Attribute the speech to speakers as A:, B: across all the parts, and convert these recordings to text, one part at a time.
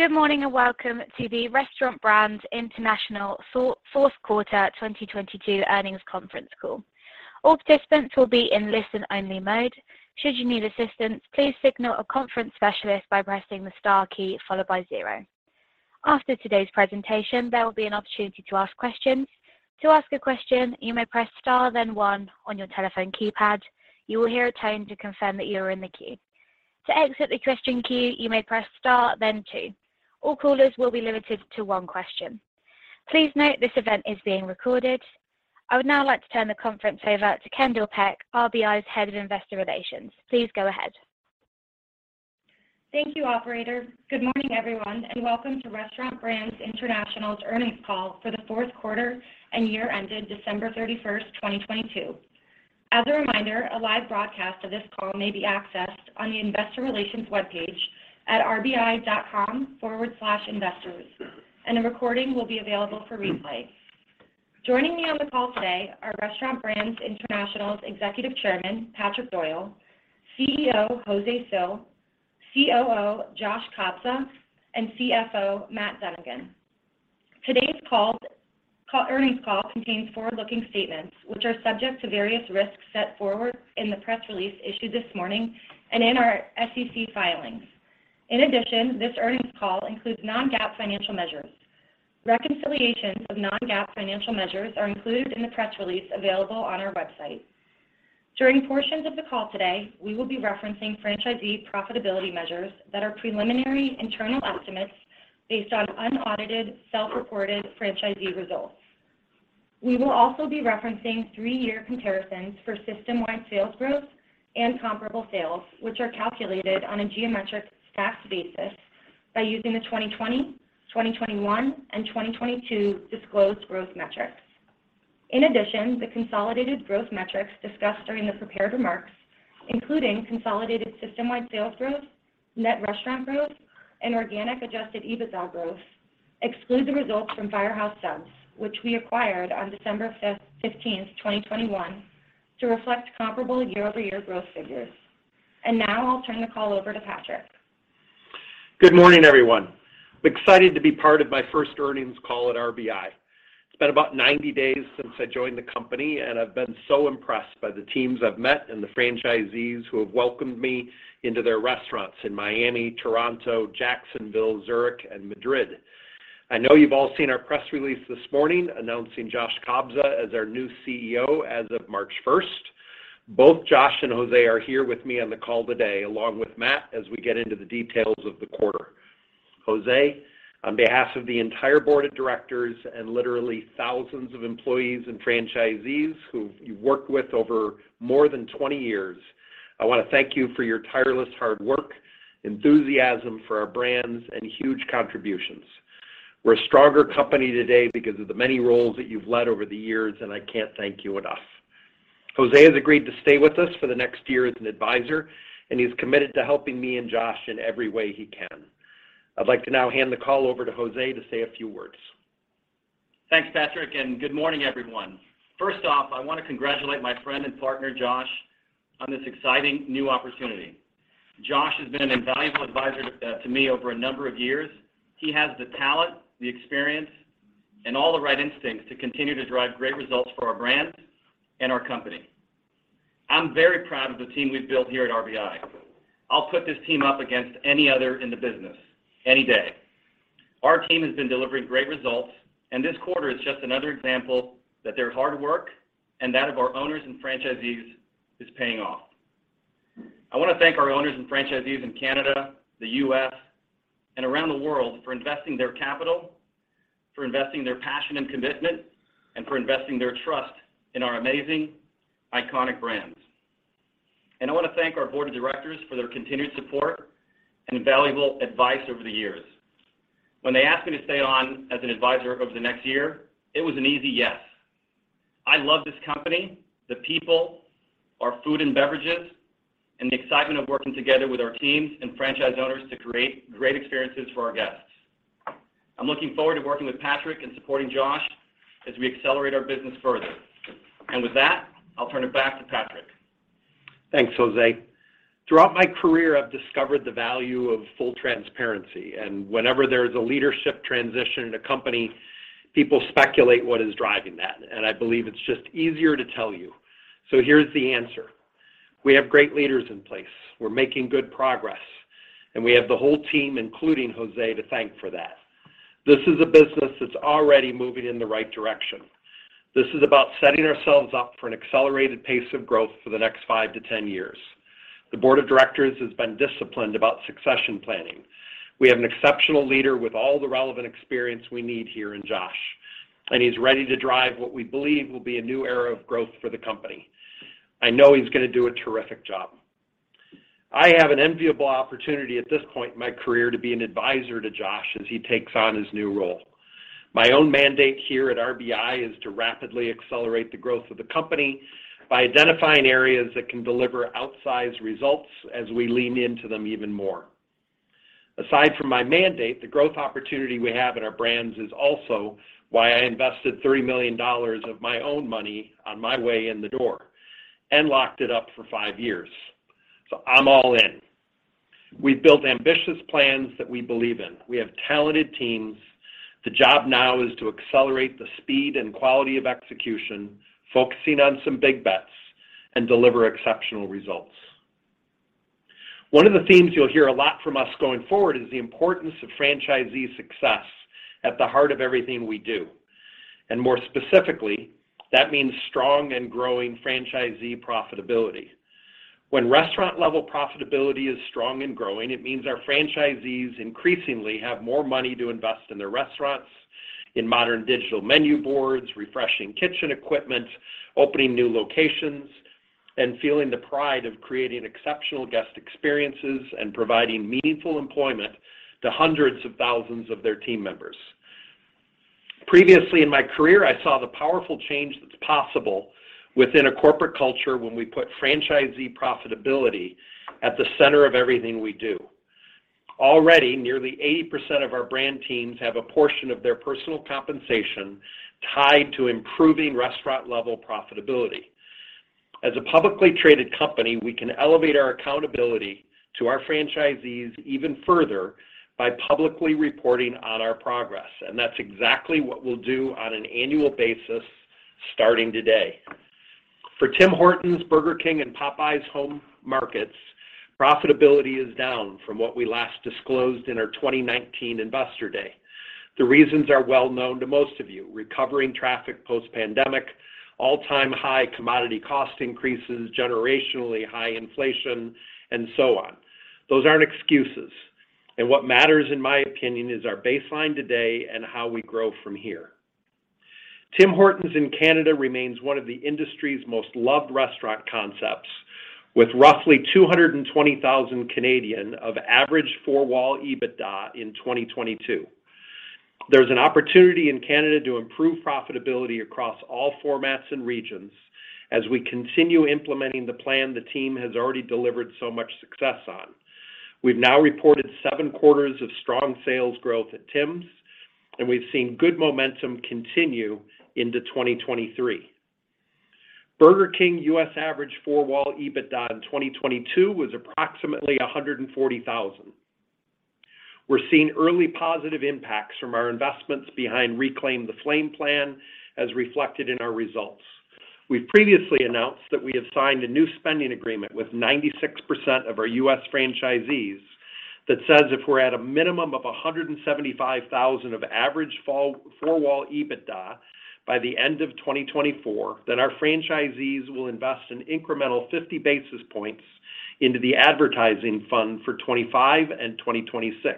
A: Good morning, welcome to the Restaurant Brands International fourth quarter 2022 earnings conference call. All participants will be in listen-only mode. Should you need assistance, please signal a conference specialist by pressing the star key followed by zero. After today's presentation, there will be an opportunity to ask questions. To ask a question, you may press star then one on your telephone keypad. You will hear a tone to confirm that you are in the queue. To exit the question queue, you may press star then two. All callers will be limited to one question. Please note, this event is being recorded. I would now like to turn the conference over to Kendall Peck, RBI's Head of Investor Relations. Please go ahead.
B: Thank you, operator. Good morning, everyone. Welcome to Restaurant Brands International's earnings call for the fourth quarter and year ended December 31st, 2022. As a reminder, a live broadcast of this call may be accessed on the investor relations webpage at rbi.com/investors. A recording will be available for replay. Joining me on the call today are Restaurant Brands International's Executive Chairman, Patrick Doyle, CEO José Cil, COO Josh Kobza, and CFO Matt Dunnigan. Today's earnings call contains forward-looking statements, which are subject to various risks set forward in the press release issued this morning and in our SEC filings. This earnings call includes non-GAAP financial measures. Reconciliations of non-GAAP financial measures are included in the press release available on our website. During portions of the call today, we will be referencing franchisee profitability measures that are preliminary internal estimates based on unaudited self-reported franchisee results. We will also be referencing three-year comparisons for system-wide sales growth and comparable sales, which are calculated on a geometric stacked basis by using the 2020, 2021, and 2022 disclosed growth metrics. In addition, the consolidated growth metrics discussed during the prepared remarks, including consolidated system-wide sales growth, net restaurant growth, and organic adjusted EBITDA growth exclude the results from Firehouse Subs, which we acquired on December 15th, 2021, to reflect comparable year-over-year growth figures. Now I'll turn the call over to Patrick.
C: Good morning, everyone. I'm excited to be part of my first earnings call at RBI. It's been about 90 days since I joined the company, and I've been so impressed by the teams I've met and the franchisees who have welcomed me into their restaurants in Miami, Toronto, Jacksonville, Zurich, and Madrid. I know you've all seen our press release this morning announcing Josh Kobza as our new CEO as of March 1st. Both Josh and José are here with me on the call today, along with Matt, as we get into the details of the quarter. José, on behalf of the entire board of directors and literally thousands of employees and franchisees who you've worked with over more than 20 years, I want to thank you for your tireless hard work, enthusiasm for our brands, and huge contributions. We're a stronger company today because of the many roles that you've led over the years, and I can't thank you enough. José has agreed to stay with us for the next year as an advisor, and he's committed to helping me and Josh in every way he can. I'd like to now hand the call over to José to say a few words.
D: Thanks, Patrick, and good morning, everyone. First off, I want to congratulate my friend and partner, Josh, on this exciting new opportunity. Josh has been an invaluable advisor to me over a number of years. He has the talent, the experience, and all the right instincts to continue to drive great results for our brands and our company. I'm very proud of the team we've built here at RBI. I'll put this team up against any other in the business any day. Our team has been delivering great results, and this quarter is just another example that their hard work and that of our owners and franchisees is paying off. I want to thank our owners and franchisees in Canada, the U.S., and around the world for investing their capital, for investing their passion and commitment, and for investing their trust in our amazing, iconic brands. I want to thank our board of directors for their continued support and invaluable advice over the years. When they asked me to stay on as an advisor over the next year, it was an easy yes. I love this company, the people, our food and beverages, and the excitement of working together with our teams and franchise owners to create great experiences for our guests. I'm looking forward to working with Patrick and supporting Josh as we accelerate our business further. With that, I'll turn it back to Patrick.
C: Thanks, José. Throughout my career, I've discovered the value of full transparency, and whenever there's a leadership transition in a company, people speculate what is driving that, and I believe it's just easier to tell you. Here's the answer. We have great leaders in place. We're making good progress, and we have the whole team, including José, to thank for that. This is a business that's already moving in the right direction. This is about setting ourselves up for an accelerated pace of growth for the next five to 10 years. The board of directors has been disciplined about succession planning. We have an exceptional leader with all the relevant experience we need here in Josh, and he's ready to drive what we believe will be a new era of growth for the company. I know he's gonna do a terrific job. I have an enviable opportunity at this point in my career to be an advisor to Josh as he takes on his new role. My own mandate here at RBI is to rapidly accelerate the growth of the company by identifying areas that can deliver outsized results as we lean into them even more. Aside from my mandate, the growth opportunity we have in our brands is also why I invested $30 million of my own money on my way in the door and locked it up for five years. I'm all in. We've built ambitious plans that we believe in. We have talented teams. The job now is to accelerate the speed and quality of execution, focusing on some big bets, and deliver exceptional results. One of the themes you'll hear a lot from us going forward is the importance of franchisee success at the heart of everything we do, and more specifically, that means strong and growing franchisee profitability. When restaurant-level profitability is strong and growing, it means our franchisees increasingly have more money to invest in their restaurants, in modern digital menu boards, refreshing kitchen equipment, opening new locations, and feeling the pride of creating exceptional guest experiences and providing meaningful employment to hundreds of thousands of their team members. Previously in my career, I saw the powerful change that's possible within a corporate culture when we put franchisee profitability at the center of everything we do. Already, nearly 80% of our brand teams have a portion of their personal compensation tied to improving restaurant-level profitability. As a publicly traded company, we can elevate our accountability to our franchisees even further by publicly reporting on our progress. That's exactly what we'll do on an annual basis starting today. For Tim Hortons, Burger King, and Popeyes home markets, profitability is down from what we last disclosed in our 2019 investor day. The reasons are well known to most of you: recovering traffic post-pandemic, all-time high commodity cost increases, generationally high inflation, so on. Those aren't excuses, what matters in my opinion is our baseline today and how we grow from here. Tim Hortons in Canada remains one of the industry's most loved restaurant concepts, with roughly 220,000 of average four-wall EBITDA in 2022. There's an opportunity in Canada to improve profitability across all formats and regions as we continue implementing the plan the team has already delivered so much success on. We've now reported seven quarters of strong sales growth at Tims, we've seen good momentum continue into 2023. Burger King U.S. average four-wall EBITDA in 2022 was approximately $140,000. We're seeing early positive impacts from our investments behind Reclaim the Flame plan as reflected in our results. We've previously announced that we have signed a new spending agreement with 96% of our U.S. franchisees that says if we're at a minimum of $175,000 of average four-wall EBITDA by the end of 2024, our franchisees will invest an incremental 50 basis points into the advertising fund for 2025 and 2026.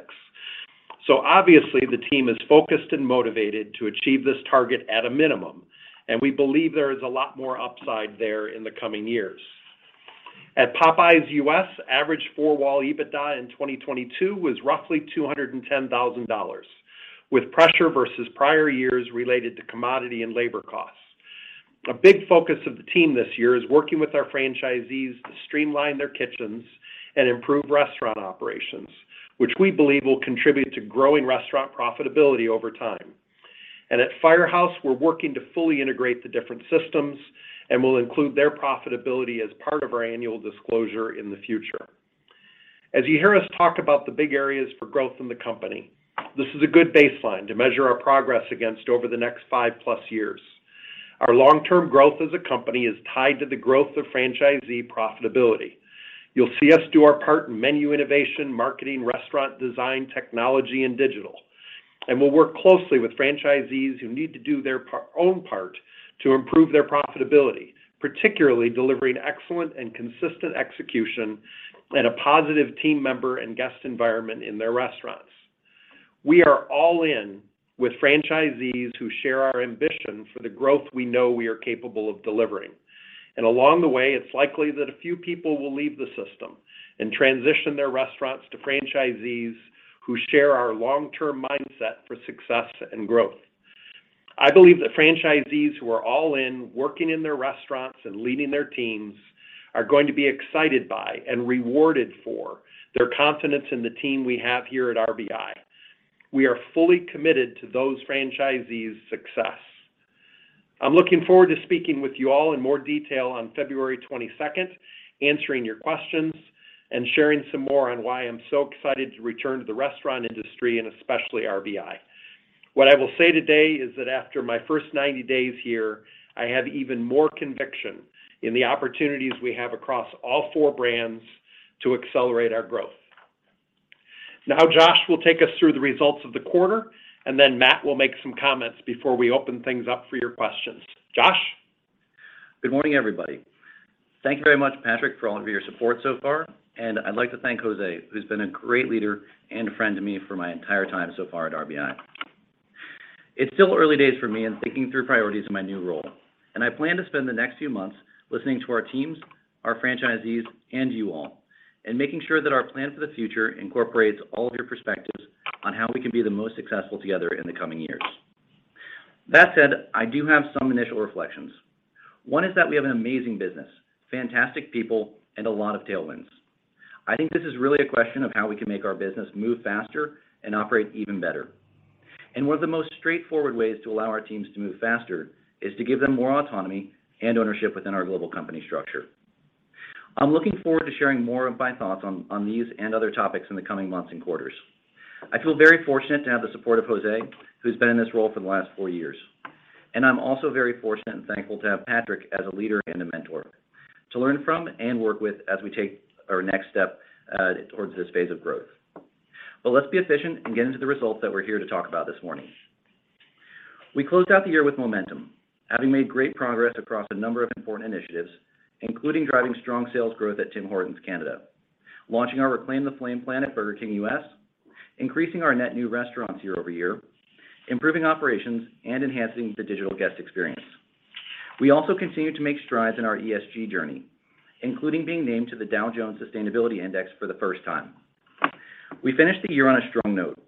C: Obviously the team is focused and motivated to achieve this target at a minimum, and we believe there is a lot more upside there in the coming years. At Popeyes U.S., average four-wall EBITDA in 2022 was roughly $210,000, with pressure versus prior years related to commodity and labor costs. A big focus of the team this year is working with our franchisees to streamline their kitchens and improve restaurant operations, which we believe will contribute to growing restaurant profitability over time. At Firehouse, we're working to fully integrate the different systems and will include their profitability as part of our annual disclosure in the future. As you hear us talk about the big areas for growth in the company, this is a good baseline to measure our progress against over the next 5+ years. Our long-term growth as a company is tied to the growth of franchisee profitability. You'll see us do our part in menu innovation, marketing, restaurant design, technology, and digital. We'll work closely with franchisees who need to do their own part to improve their profitability, particularly delivering excellent and consistent execution and a positive team member and guest environment in their restaurants. We are all in with franchisees who share our ambition for the growth we know we are capable of delivering. Along the way, it's likely that a few people will leave the system and transition their restaurants to franchisees who share our long-term mindset for success and growth. I believe that franchisees who are all in, working in their restaurants and leading their teams, are going to be excited by and rewarded for their confidence in the team we have here at RBI. We are fully committed to those franchisees' success. I'm looking forward to speaking with you all in more detail on February 22nd, answering your questions and sharing some more on why I'm so excited to return to the restaurant industry and especially RBI. What I will say today is that after my first 90 days here, I have even more conviction in the opportunities we have across all four brands to accelerate our growth. Josh will take us through the results of the quarter, then Matt will make some comments before we open things up for your questions. Josh?
E: Good morning, everybody. Thank you very much, Patrick, for all of your support so far, and I'd like to thank José, who's been a great leader and a friend to me for my entire time so far at RBI. It's still early days for me in thinking through priorities in my new role, and I plan to spend the next few months listening to our teams, our franchisees, and you all, and making sure that our plan for the future incorporates all of your perspectives on how we can be the most successful together in the coming years. That said, I do have some initial reflections. One is that we have an amazing business, fantastic people, and a lot of tailwinds. I think this is really a question of how we can make our business move faster and operate even better. One of the most straightforward ways to allow our teams to move faster is to give them more autonomy and ownership within our global company structure. I'm looking forward to sharing more of my thoughts on these and other topics in the coming months and quarters. I feel very fortunate to have the support of José, who's been in this role for the last four years. I'm also very fortunate and thankful to have Patrick as a leader and a mentor to learn from and work with as we take our next step towards this phase of growth. Let's be efficient and get into the results that we're here to talk about this morning. We closed out the year with momentum, having made great progress across a number of important initiatives, including driving strong sales growth at Tim Hortons Canada, launching our Reclaim the Flame plan at Burger King US, increasing our net new restaurants year-over-year, improving operations, and enhancing the digital guest experience. We also continue to make strides in our ESG journey, including being named to the Dow Jones Sustainability Index for the first time. We finished the year on a strong note,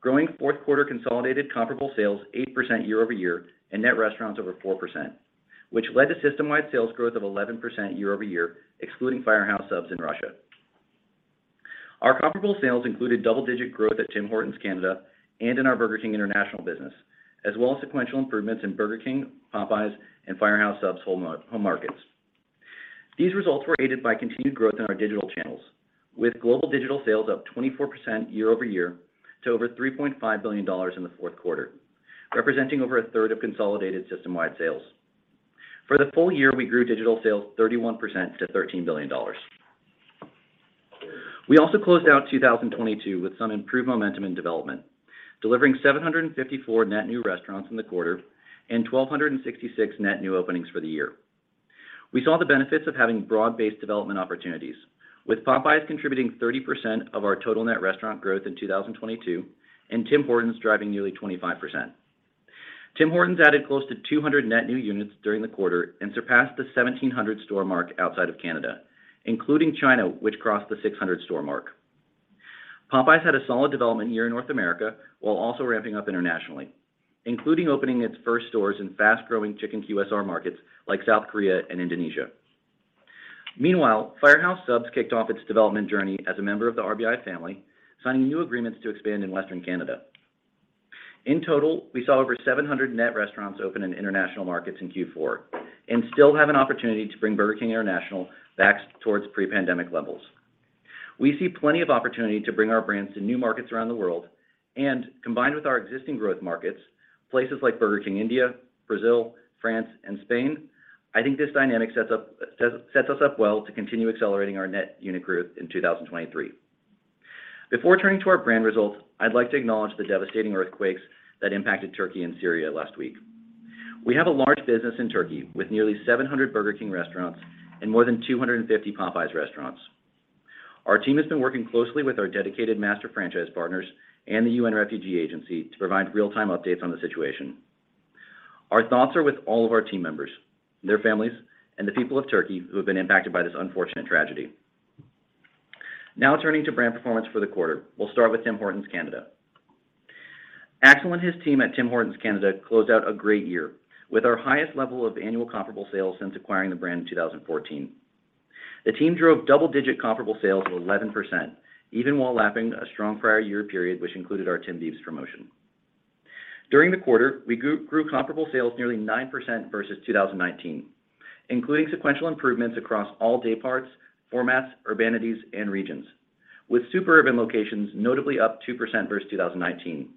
E: growing fourth quarter consolidated comparable sales 8% year-over-year and net restaurants over 4%, which led to system-wide sales growth of 11% year-over-year, excluding Firehouse Subs in Russia. Our comparable sales included double-digit growth at Tim Hortons Canada and in our Burger King International business, as well as sequential improvements in Burger King, Popeyes, and Firehouse Subs home markets. These results were aided by continued growth in our digital channels, with global digital sales up 24% year-over-year to over $3.5 billion in the fourth quarter, representing over 1/3 of consolidated system-wide sales. For the full-year, we grew digital sales 31% to $13 billion. We also closed out 2022 with some improved momentum in development, delivering 754 net new restaurants in the quarter and 1,266 net new openings for the year. We saw the benefits of having broad-based development opportunities, with Popeyes contributing 30% of our total net restaurant growth in 2022 and Tim Hortons driving nearly 25%. Tim Hortons added close to 200 net new units during the quarter and surpassed the 1,700 store mark outside of Canada, including China, which crossed the 600 store mark. Popeyes had a solid development year in North America while also ramping up internationally, including opening its first stores in fast-growing chicken QSR markets like South Korea and Indonesia. Firehouse Subs kicked off its development journey as a member of the RBI family, signing new agreements to expand in Western Canada. We saw over 700 net restaurants open in international markets in Q4 and still have an opportunity to bring Burger King International back towards pre-pandemic levels. We see plenty of opportunity to bring our brands to new markets around the world. Combined with our existing growth markets, places like Burger King India, Brazil, France, and Spain, I think this dynamic sets us up well to continue accelerating our net unit growth in 2023. Before turning to our brand results, I'd like to acknowledge the devastating earthquakes that impacted Turkey and Syria last week. We have a large business in Turkey, with nearly 700 Burger King restaurants and more than 250 Popeyes restaurants. Our team has been working closely with our dedicated master franchise partners and the UN Refugee Agency to provide real-time updates on the situation. Our thoughts are with all of our team members, their families, and the people of Turkey who have been impacted by this unfortunate tragedy. Turning to brand performance for the quarter. We'll start with Tim Hortons Canada. Axel and his team at Tim Hortons Canada closed out a great year, with our highest level of annual comparable sales since acquiring the brand in 2014. The team drove double-digit comparable sales of 11%, even while lapping a strong prior year period, which included our Tim Biebs promotion. During the quarter, we grew comparable sales nearly 9% versus 2019, including sequential improvements across all daypart formats, urbanities, and regions, with super urban locations notably up 2% versus 2019,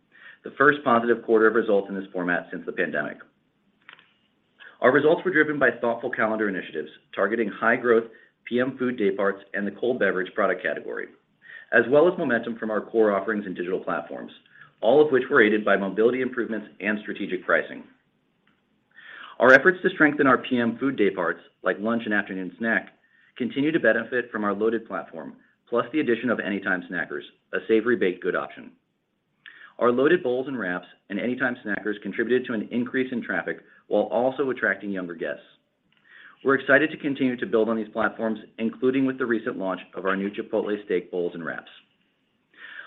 E: the first positive quarter of results in this format since the pandemic. Our results were driven by thoughtful calendar initiatives targeting high-growth PM food dayparts and the cold beverage product category, as well as momentum from our core offerings and digital platforms, all of which were aided by mobility improvements and strategic pricing. Our efforts to strengthen our PM food dayparts, like lunch and afternoon snack, continue to benefit from our Loaded platform, plus the addition of Anytime Snackers, a savory baked good option. Our Loaded Bowls and wraps and Anytime Snackers contributed to an increase in traffic while also attracting younger guests. We're excited to continue to build on these platforms, including with the recent launch of our new Chipotle Steak bowls and wraps.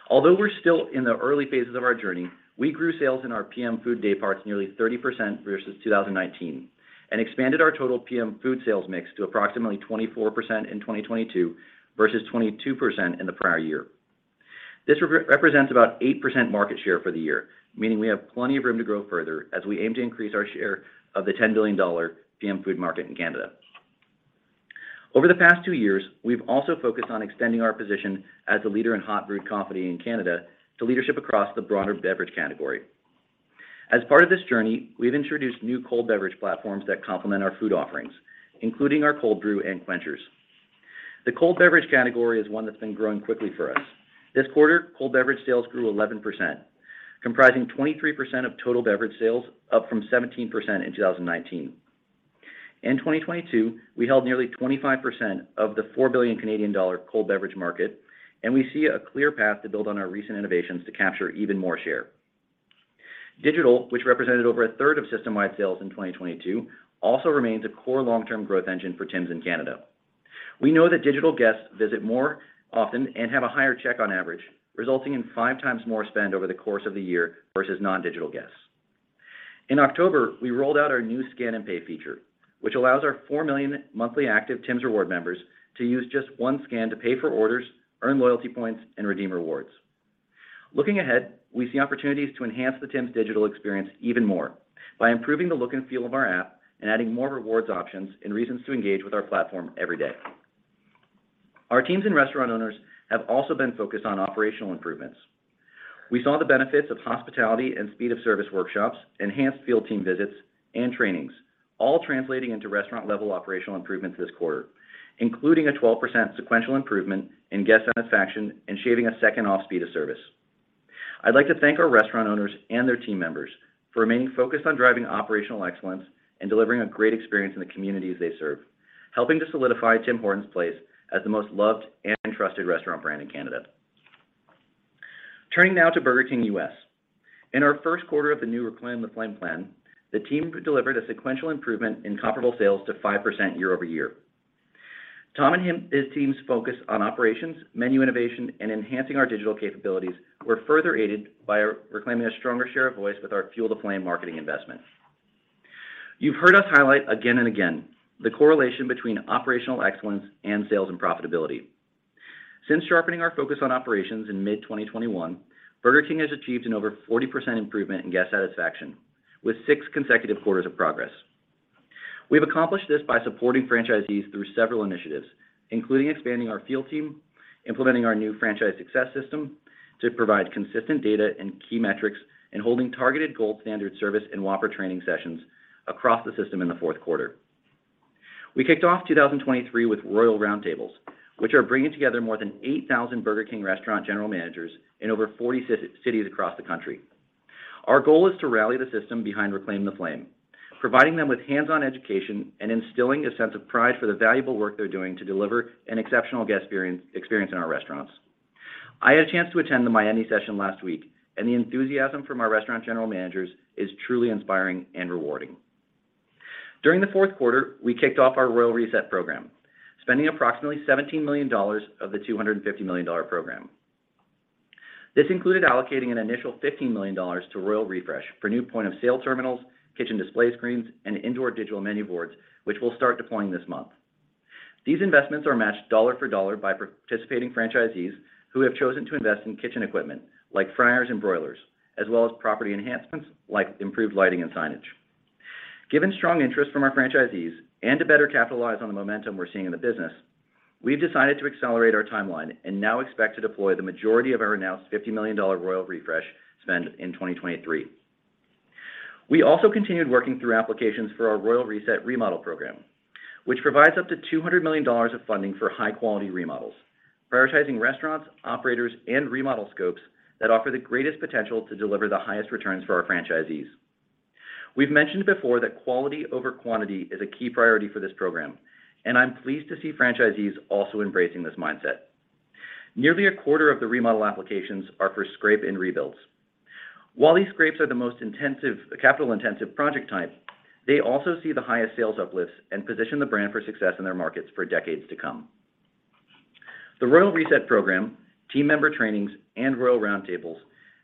E: Although we're still in the early phases of our journey, we grew sales in our PM food dayparts nearly 30% versus 2019 and expanded our total PM food sales mix to approximately 24% in 2022 versus 22% in the prior year. This represents about 8% market share for the year, meaning we have plenty of room to grow further as we aim to increase our share of the $10 billion PM food market in Canada. Over the past two years, we've also focused on extending our position as a leader in hot brewed coffee in Canada to leadership across the broader beverage category. As part of this journey, we've introduced new cold beverage platforms that complement our food offerings, including our Cold Brew and Quenchers. The cold beverage category is one that's been growing quickly for us. This quarter, cold beverage sales grew 11%, comprising 23% of total beverage sales, up from 17% in 2019. In 2022, we held nearly 25% of the 4 billion Canadian dollar cold beverage market. We see a clear path to build on our recent innovations to capture even more share. Digital, which represented over 1/3 of system-wide sales in 2022, also remains a core long-term growth engine for Tims in Canada. We know that digital guests visit more often and have a higher check on average, resulting in 5x more spend over the course of the year versus non-digital guests. In October, we rolled out our new scan and pay feature, which allows our 4 million monthly active Tims Rewards members to use just one scan to pay for orders, earn loyalty points, and redeem rewards. Looking ahead, we see opportunities to enhance the Tims digital experience even more by improving the look and feel of our app and adding more rewards options and reasons to engage with our platform every day. Our teams and restaurant owners have also been focused on operational improvements. We saw the benefits of hospitality and speed of service workshops, enhanced field team visits, and trainings, all translating into restaurant-level operational improvements this quarter, including a 12% sequential improvement in guest satisfaction and shaving one second off speed of service. I'd like to thank our restaurant owners and their team members for remaining focused on driving operational excellence and delivering a great experience in the communities they serve, helping to solidify Tim Hortons place as the most loved and trusted restaurant brand in Canada. Turning now to Burger King US. In our first quarter of the new Reclaim the Flame plan, the team delivered a sequential improvement in comparable sales to 5% year-over-year. Tom and his team's focus on operations, menu innovation, and enhancing our digital capabilities were further aided by our reclaiming a stronger share of voice with our Fuel the Flame marketing investment. You've heard us highlight again and again the correlation between operational excellence and sales and profitability. Since sharpening our focus on operations in mid-2021, Burger King has achieved an over 40% improvement in guest satisfaction with six consecutive quarters of progress. We've accomplished this by supporting franchisees through several initiatives, including expanding our field team, implementing our new franchise success system to provide consistent data and key metrics, and holding targeted gold standard service and Whopper training sessions across the system in the fourth quarter. We kicked off 2023 with Royal Roundtables, which are bringing together more than 8,000 Burger King restaurant general managers in over 40 cities across the country. Our goal is to rally the system behind Reclaim the Flame, providing them with hands-on education and instilling a sense of pride for the valuable work they're doing to deliver an exceptional guest experience in our restaurants. I had a chance to attend the Miami session last week, and the enthusiasm from our restaurant general managers is truly inspiring and rewarding. During the fourth quarter, we kicked off our Royal Reset program, spending approximately $17 million of the $250 million program. This included allocating an initial $15 million to Royal Refresh for new point of sale terminals, kitchen display screens, and indoor digital menu boards, which we'll start deploying this month. These investments are matched dollar for dollar by participating franchisees who have chosen to invest in kitchen equipment like fryers and broilers, as well as property enhancements like improved lighting and signage. Given strong interest from our franchisees and to better capitalize on the momentum we're seeing in the business, we've decided to accelerate our timeline and now expect to deploy the majority of our announced $50 million Royal Refresh spend in 2023. We also continued working through applications for our Royal Reset remodel program, which provides up to $200 million of funding for high-quality remodels, prioritizing restaurants, operators, and remodel scopes that offer the greatest potential to deliver the highest returns for our franchisees. We've mentioned before that quality over quantity is a key priority for this program. I'm pleased to see franchisees also embracing this mindset. Nearly 1/4 of the remodel applications are for scrape and rebuilds. While these scrapes are the most capital-intensive project type, they also see the highest sales uplifts and position the brand for success in their markets for decades to come. The Royal Reset program, team member trainings, and Royal Roundtables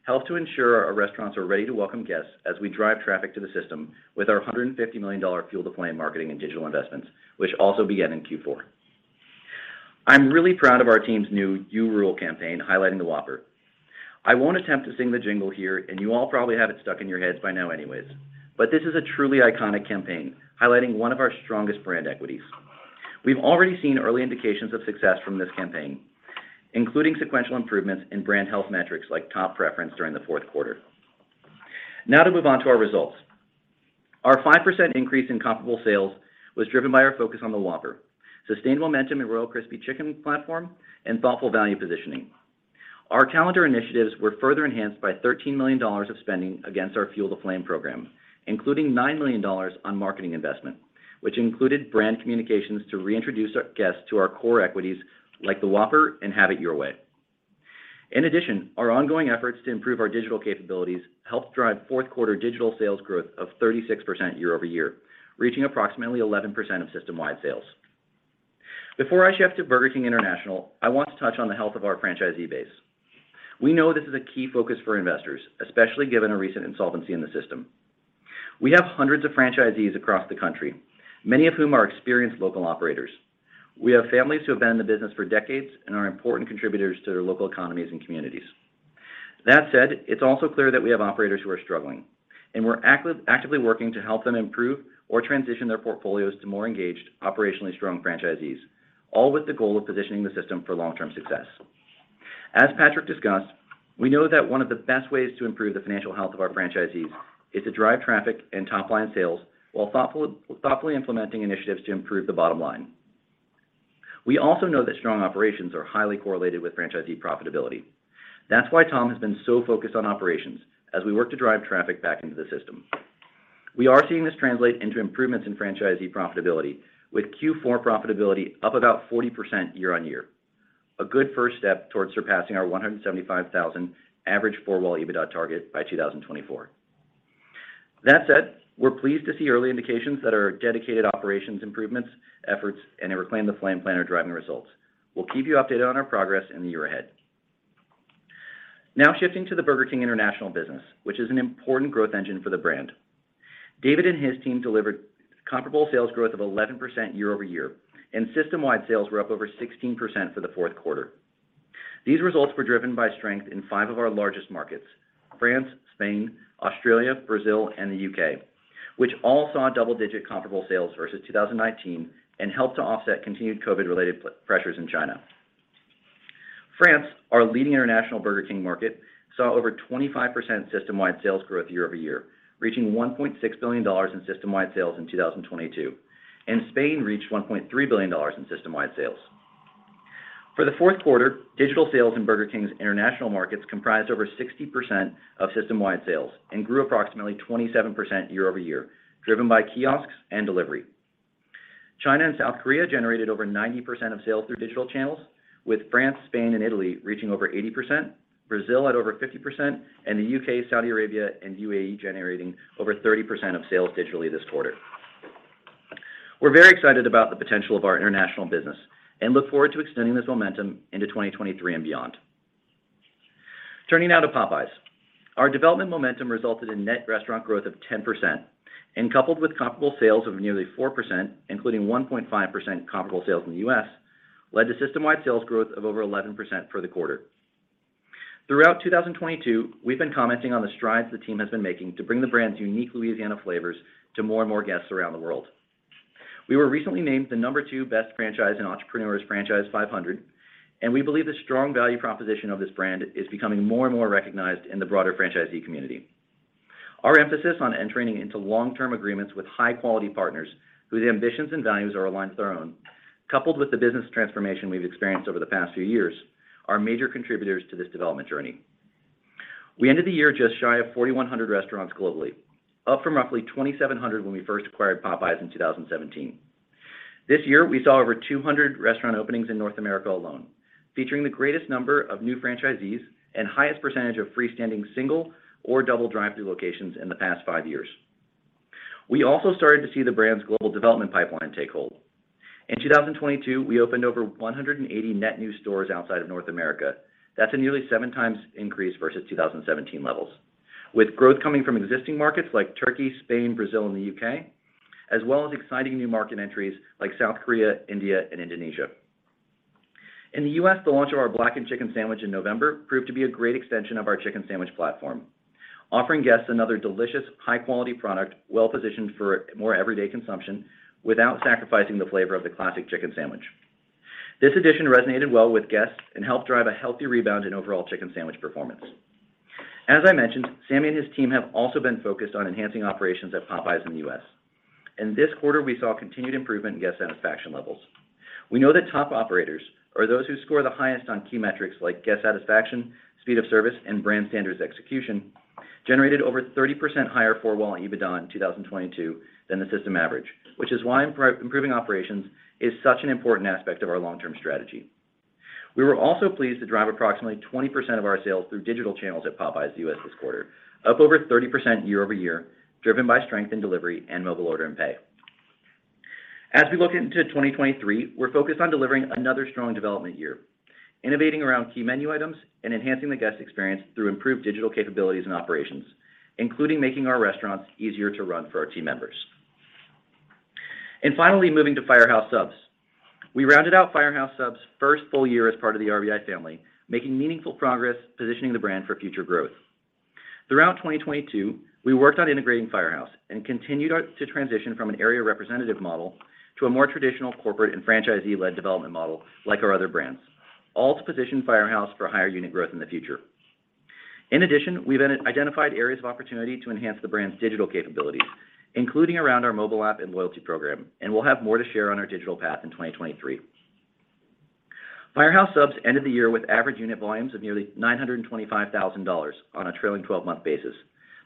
E: help to ensure our restaurants are ready to welcome guests as we drive traffic to the system with our $150 million Fuel the Flame marketing and digital investments, which also began in Q4. I'm really proud of our team's new You Rule campaign highlighting the Whopper. I won't attempt to sing the jingle here, and you all probably have it stuck in your heads by now anyways. This is a truly iconic campaign highlighting one of our strongest brand equities. We've already seen early indications of success from this campaign, including sequential improvements in brand health metrics like top preference during the fourth quarter. To move on to our results. Our 5% increase in comparable sales was driven by our focus on the Whopper, sustained momentum in Royal Crispy Chicken platform, and thoughtful value positioning. Our calendar initiatives were further enhanced by $13 million of spending against our Fuel the Flame program, including $9 million on marketing investment, which included brand communications to reintroduce our guests to our core equities like the Whopper and Have It Your Way. Our ongoing efforts to improve our digital capabilities helped drive fourth quarter digital sales growth of 36% year-over-year, reaching approximately 11% of system-wide sales. Before I shift to Burger King International, I want to touch on the health of our franchisee base. We know this is a key focus for investors, especially given a recent insolvency in the system. We have hundreds of franchisees across the country, many of whom are experienced local operators. We have families who have been in the business for decades and are important contributors to their local economies and communities. That said, it's also clear that we have operators who are struggling. We're actively working to help them improve or transition their portfolios to more engaged, operationally strong franchisees, all with the goal of positioning the system for long-term success. As Patrick discussed, we know that one of the best ways to improve the financial health of our franchisees is to drive traffic and top-line sales while thoughtfully implementing initiatives to improve the bottom line. We also know that strong operations are highly correlated with franchisee profitability. That's why Tom has been so focused on operations as we work to drive traffic back into the system. We are seeing this translate into improvements in franchisee profitability, with Q4 profitability up about 40% year-over-year, a good first step towards surpassing our $175,000 average four-wall EBITDA target by 2024. That said, we're pleased to see early indications that our dedicated operations improvements efforts and our Reclaim the Flame plan are driving results. We'll keep you updated on our progress in the year ahead. Now shifting to the Burger King international business, which is an important growth engine for the brand. David and his team delivered comparable sales growth of 11% year-over-year, and system-wide sales were up over 16% for the fourth quarter. These results were driven by strength in five of our largest markets: France, Spain, Australia, Brazil, and the U.K., which all saw double-digit comparable sales versus 2019 and helped to offset continued COVID-related pressures in China. France, our leading international Burger King market, saw over 25% system-wide sales growth year-over-year, reaching $1.6 billion in system-wide sales in 2022. Spain reached $1.3 billion in system-wide sales. For the fourth quarter, digital sales in Burger King's international markets comprised over 60% of system-wide sales and grew approximately 27% year-over-year, driven by kiosks and delivery. China and South Korea generated over 90% of sales through digital channels, with France, Spain, and Italy reaching over 80%, Brazil at over 50%, and the U.K., Saudi Arabia, and U.A.E. generating over 30% of sales digitally this quarter. We're very excited about the potential of our international business and look forward to extending this momentum into 2023 and beyond. Turning now to Popeyes. Our development momentum resulted in net restaurant growth of 10%, and coupled with comparable sales of nearly 4%, including 1.5% comparable sales in the U.S., led to system-wide sales growth of over 11% for the quarter. Throughout 2022, we've been commenting on the strides the team has been making to bring the brand's unique Louisiana flavors to more and more guests around the world. We were recently named the number two best franchise in Entrepreneur's Franchise 500, and we believe the strong value proposition of this brand is becoming more and more recognized in the broader franchisee community. Our emphasis on entering into long-term agreements with high-quality partners whose ambitions and values are aligned with our own, coupled with the business transformation we've experienced over the past few years, are major contributors to this development journey. We ended the year just shy of 4,100 restaurants globally, up from roughly 2,700 when we first acquired Popeyes in 2017. This year, we saw over 200 restaurant openings in North America alone, featuring the greatest number of new franchisees and highest percentage of freestanding single or double drive-thru locations in the past five years. We also started to see the brand's global development pipeline take hold. In 2022, we opened over 180 net new stores outside of North America. That's a nearly 7x increase versus 2017 levels, with growth coming from existing markets like Turkey, Spain, Brazil, and the U.K., as well as exciting new market entries like South Korea, India, and Indonesia. In the U.S., the launch of our Blackened Chicken Sandwich in November proved to be a great extension of our chicken sandwich platform, offering guests another delicious, high-quality product well-positioned for more everyday consumption without sacrificing the flavor of the classic chicken sandwich. As I mentioned, Sammy and his team have also been focused on enhancing operations at Popeyes in the U.S. In this quarter, we saw continued improvement in guest satisfaction levels. We know that top operators, or those who score the highest on key metrics like guest satisfaction, speed of service, and brand standards execution, generated over 30% higher four-wall EBITDA in 2022 than the system average, which is why improving operations is such an important aspect of our long-term strategy. We were also pleased to drive approximately 20% of our sales through digital channels at Popeyes U.S. this quarter, up over 30% year-over-year, driven by strength in delivery and mobile order and pay. As we look into 2023, we're focused on delivering another strong development year, innovating around key menu items and enhancing the guest experience through improved digital capabilities and operations, including making our restaurants easier to run for our team members. Finally, moving to Firehouse Subs. We rounded out Firehouse Subs' first full-year as part of the RBI family, making meaningful progress positioning the brand for future growth. Throughout 2022, we worked on integrating Firehouse and continued to transition from an area representative model to a more traditional corporate and franchisee-led development model like our other brands, all to position Firehouse for higher unit growth in the future. In addition, we've identified areas of opportunity to enhance the brand's digital capabilities, including around our mobile app and loyalty program, and we'll have more to share on our digital path in 2023. Firehouse Subs ended the year with average unit volumes of nearly $925,000 on a trailing 12-month basis.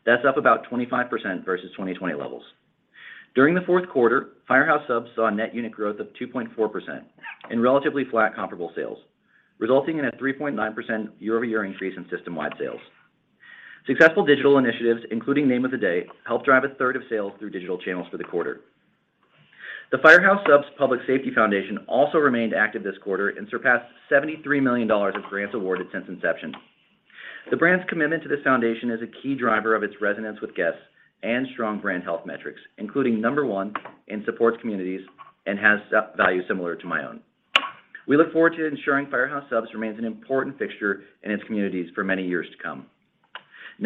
E: That's up about 25% versus 2020 levels. During the fourth quarter, Firehouse Subs saw net unit growth of 2.4% and relatively flat comparable sales, resulting in a 3.9% year-over-year increase in system-wide sales. Successful digital initiatives, including Name of the Day, helped drive 1/3 of sales through digital channels for the quarter. The Firehouse Subs Public Safety Foundation also remained active this quarter and surpassed $73 million of grants awarded since inception. The brand's commitment to this foundation is a key driver of its resonance with guests and strong brand health metrics, including number one in Supports Communities and Has Values Similar to My Own. We look forward to ensuring Firehouse Subs remains an important fixture in its communities for many years to come.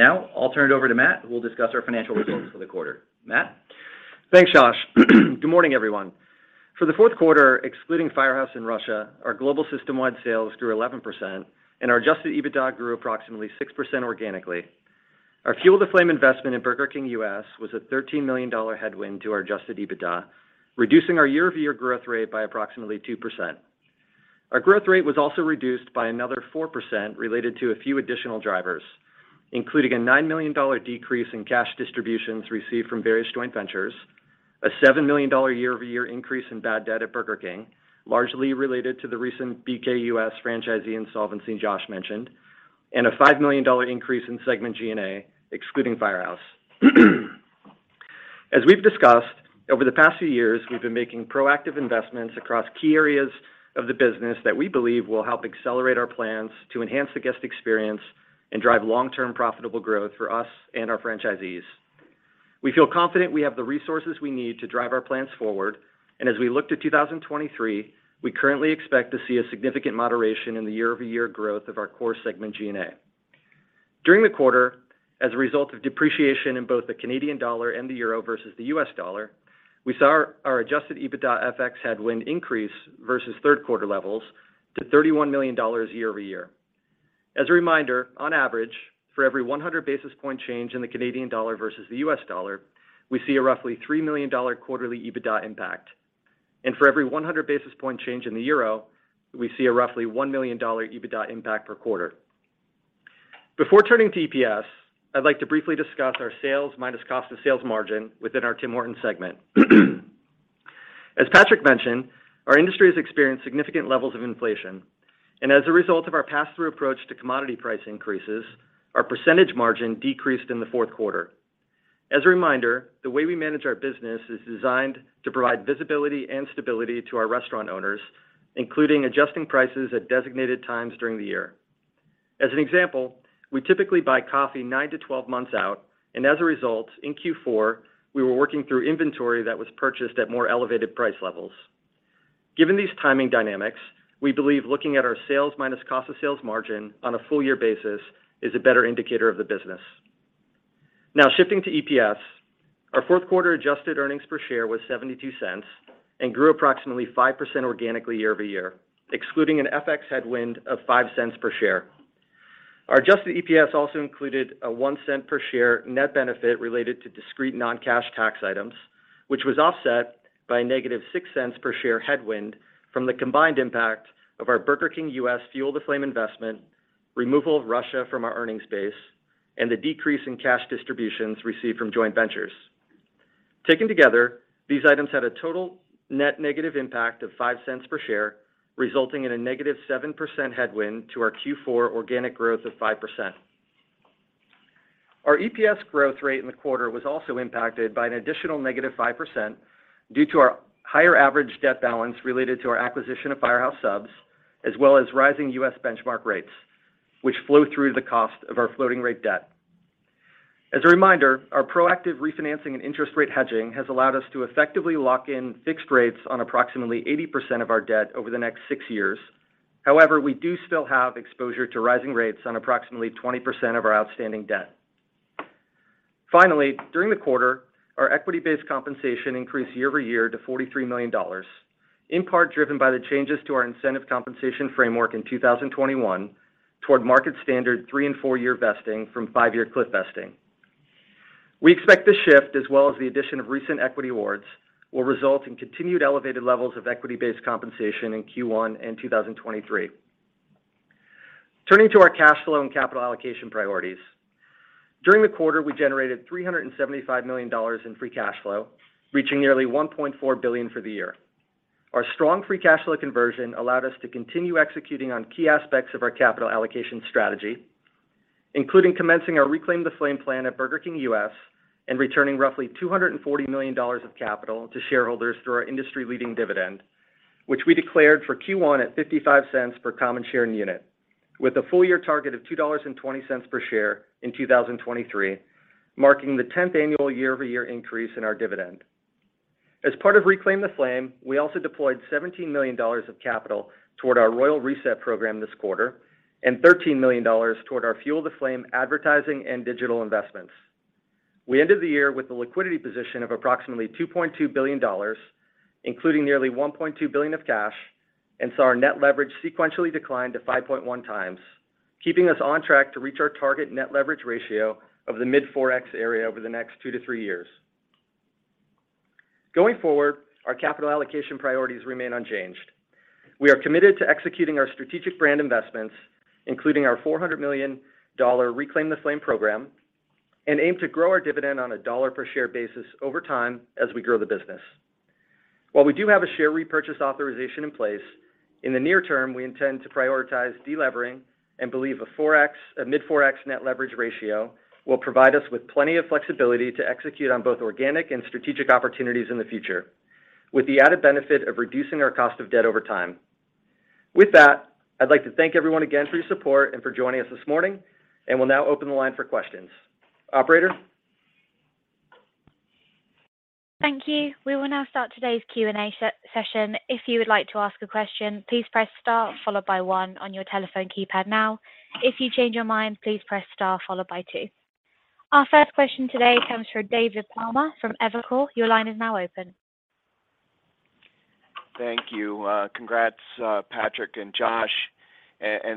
E: I'll turn it over to Matt, who will discuss our financial results for the quarter. Matt?
F: Thanks, Josh. Good morning, everyone. For the fourth quarter, excluding Firehouse and Russia, our global system-wide sales grew 11% and our adjusted EBITDA grew approximately 6% organically. Our Fuel the Flame investment in Burger King US was a $13 million headwind to our adjusted EBITDA, reducing our year-over-year growth rate by approximately 2%. Our growth rate was also reduced by another 4% related to a few additional drivers, including a $9 million decrease in cash distributions received from various joint ventures, a $7 million year-over-year increase in bad debt at Burger King, largely related to the recent BKUS franchisee insolvency Josh mentioned, and a $5 million increase in Segment G&A, excluding Firehouse. As we've discussed, over the past few years, we've been making proactive investments across key areas of the business that we believe will help accelerate our plans to enhance the guest experience and drive long-term profitable growth for us and our franchisees. We feel confident we have the resources we need to drive our plans forward. As we look to 2023, we currently expect to see a significant moderation in the year-over-year growth of our core Segment G&A. During the quarter, as a result of depreciation in both the Canadian dollar and the euro versus the US dollar, we saw our adjusted EBITDA FX headwind increase versus third quarter levels to $31 million year-over-year. As a reminder, on average, for every 100 basis point change in the Canadian dollar versus the US dollar, we see a roughly $3 million quarterly EBITDA impact. For every 100 basis point change in the euro, we see a roughly $1 million EBITDA impact per quarter. Before turning to EPS, I'd like to briefly discuss our sales minus cost of sales margin within our Tim Hortons segment. As Patrick mentioned, our industry has experienced significant levels of inflation. As a result of our pass-through approach to commodity price increases, our percentage margin decreased in the fourth quarter. As a reminder, the way we manage our business is designed to provide visibility and stability to our restaurant owners, including adjusting prices at designated times during the year. As an example, we typically buy coffee nine to 12 months out. As a result, in Q4, we were working through inventory that was purchased at more elevated price levels. Given these timing dynamics, we believe looking at our sales minus cost of sales margin on a full-year basis is a better indicator of the business. Now shifting to EPS. Our fourth quarter adjusted earnings per share was $0.72 and grew approximately 5% organically year-over-year, excluding an FX headwind of $0.05 per share. Our adjusted EPS also included a $0.01 per share net benefit related to discrete non-cash tax items, which was offset by a negative $0.06 per share headwind from the combined impact of our Burger King US Fuel the Flame investment, removal of Russia from our earnings base, and the decrease in cash distributions received from joint ventures. Taken together, these items had a total net negative impact of $0.05 per share, resulting in a -7% headwind to our Q4 organic growth of 5%. Our EPS growth rate in the quarter was also impacted by an additional -5% due to our higher average debt balance related to our acquisition of Firehouse Subs, as well as rising U.S. Benchmark rates, which flow through the cost of our floating rate debt. As a reminder, our proactive refinancing and interest rate hedging has allowed us to effectively lock in fixed rates on approximately 80% of our debt over the next six years. However, we do still have exposure to rising rates on approximately 20% of our outstanding debt. During the quarter, our equity-based compensation increased year-over-year to $43 million, in part driven by the changes to our incentive compensation framework in 2021 toward market standard three and four-year vesting from five-year cliff vesting. We expect the shift as well as the addition of recent equity awards will result in continued elevated levels of equity-based compensation in Q1 in 2023. Turning to our cash flow and capital allocation priorities. During the quarter, we generated $375 million in free cash flow, reaching nearly $1.4 billion for the year. Our strong free cash flow conversion allowed us to continue executing on key aspects of our capital allocation strategy, including commencing our Reclaim the Flame plan at Burger King US and returning roughly $240 million of capital to shareholders through our industry-leading dividend, which we declared for Q1 at $0.55 per common share and unit, with a full-year target of $2.20 per share in 2023, marking the 10th annual year-over-year increase in our dividend. As part of Reclaim the Flame, we also deployed $17 million of capital toward our Royal Reset program this quarter and $13 million toward our Fuel the Flame advertising and digital investments. We ended the year with a liquidity position of approximately $2.2 billion, including nearly $1.2 billion of cash, saw our Net Leverage sequentially decline to 5.1x, keeping us on track to reach our target Net Leverage ratio of the mid 4x area over the next two to three years. Going forward, our capital allocation priorities remain unchanged. We are committed to executing our strategic brand investments, including our $400 million Reclaim the Flame program, aim to grow our dividend on a dollar per share basis over time as we grow the business. While we do have a share repurchase authorization in place, in the near term, we intend to prioritize delevering and believe a mid 4x net leverage ratio will provide us with plenty of flexibility to execute on both organic and strategic opportunities in the future, with the added benefit of reducing our cost of debt over time. With that, I'd like to thank everyone again for your support and for joining us this morning, We'll now open the line for questions. Operator?
A: Thank you. We will now start today's Q&A session. If you would like to ask a question, please press star followed by one on your telephone keypad now. If you change your mind, please press star followed by two. Our first question today comes from David Palmer from Evercore. Your line is now open.
G: Thank you. Congrats, Patrick and Josh.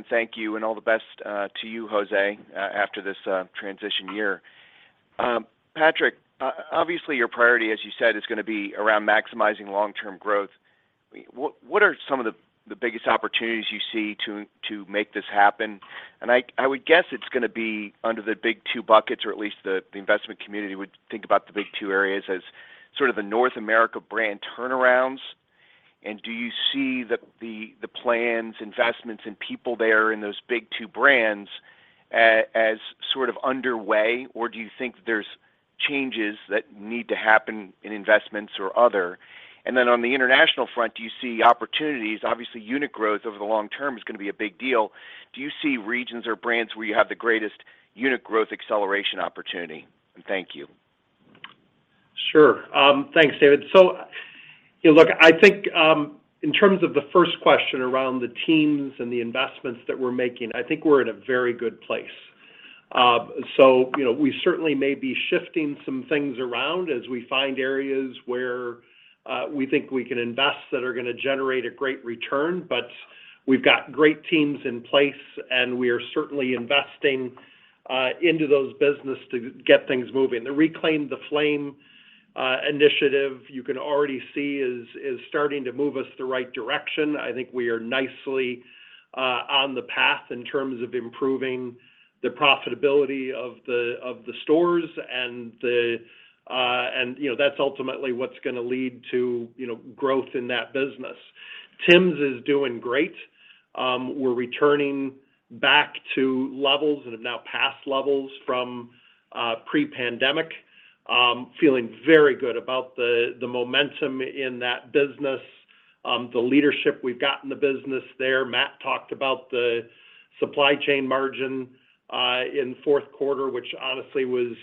G: Thank you and all the best to you, José, after this transition year. Patrick, obviously your priority, as you said, is gonna be around maximizing long-term growth. What are some of the biggest opportunities you see to make this happen? I would guess it's gonna be under the big two buckets, or at least the investment community would think about the big two areas as sort of the North America brand turnarounds Do you see the plans, investments and people there in those big two brands as sort of underway, or do you think there's changes that need to happen in investments or other? On the international front, do you see opportunities? Obviously, unit growth over the long term is going to be a big deal. Do you see regions or brands where you have the greatest unit growth acceleration opportunity? Thank you.
C: Sure. Thanks, David. You know, look, I think, in terms of the first question around the teams and the investments that we're making, I think we're in a very good place. You know, we certainly may be shifting some things around as we find areas where we think we can invest that are going to generate a great return. We've got great teams in place, and we are certainly investing into those business to get things moving. The Reclaim the Flame initiative, you can already see is starting to move us the right direction. I think we are nicely on the path in terms of improving the profitability of the stores and, you know, that's ultimately what's gonna lead to, you know, growth in that business. Tim's is doing great. We're returning back to levels and have now passed levels from pre-pandemic. Feeling very good about the momentum in that business, the leadership we've got in the business there. Matt talked about the supply chain margin in fourth quarter, which honestly was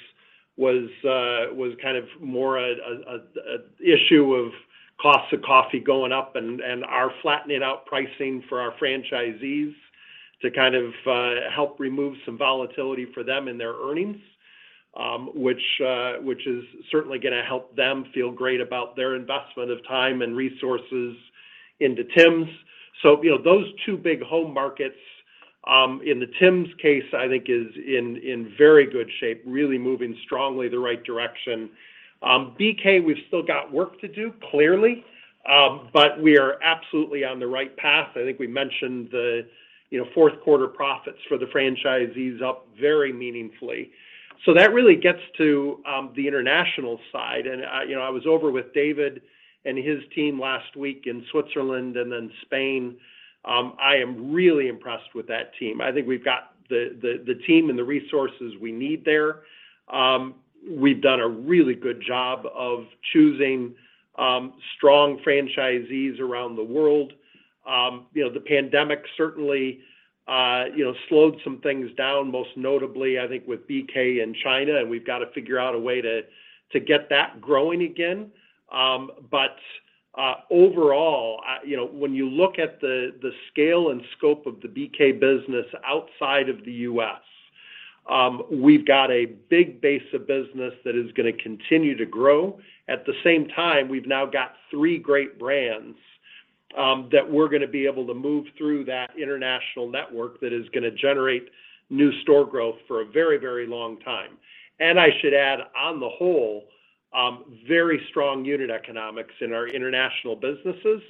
C: kind of more a issue of cost of coffee going up and our flattening out pricing for our franchisees to kind of help remove some volatility for them in their earnings, which is certainly gonna help them feel great about their investment of time and resources into Tim's. You know, those two big home markets, in the Tim's case, I think is in very good shape, really moving strongly the right direction. BK, we've still got work to do, clearly, but we are absolutely on the right path. I think we mentioned the, you know, fourth quarter profits for the franchisees up very meaningfully. That really gets to the international side. You know, I was over with David and his team last week in Switzerland and then Spain. I am really impressed with that team. I think we've got the team and the resources we need there. We've done a really good job of choosing strong franchisees around the world. You know, the pandemic certainly, you know, slowed some things down, most notably, I think, with BK in China, and we've got to figure out a way to get that growing again. Overall, you know, when you look at the scale and scope of the BK business outside of the U.S., we've got a big base of business that is gonna continue to grow. At the same time, we've now got three great brands that we're gonna be able to move through that international network that is gonna generate new store growth for a very, very long time. I should add on the whole, very strong unit economics in our international businesses,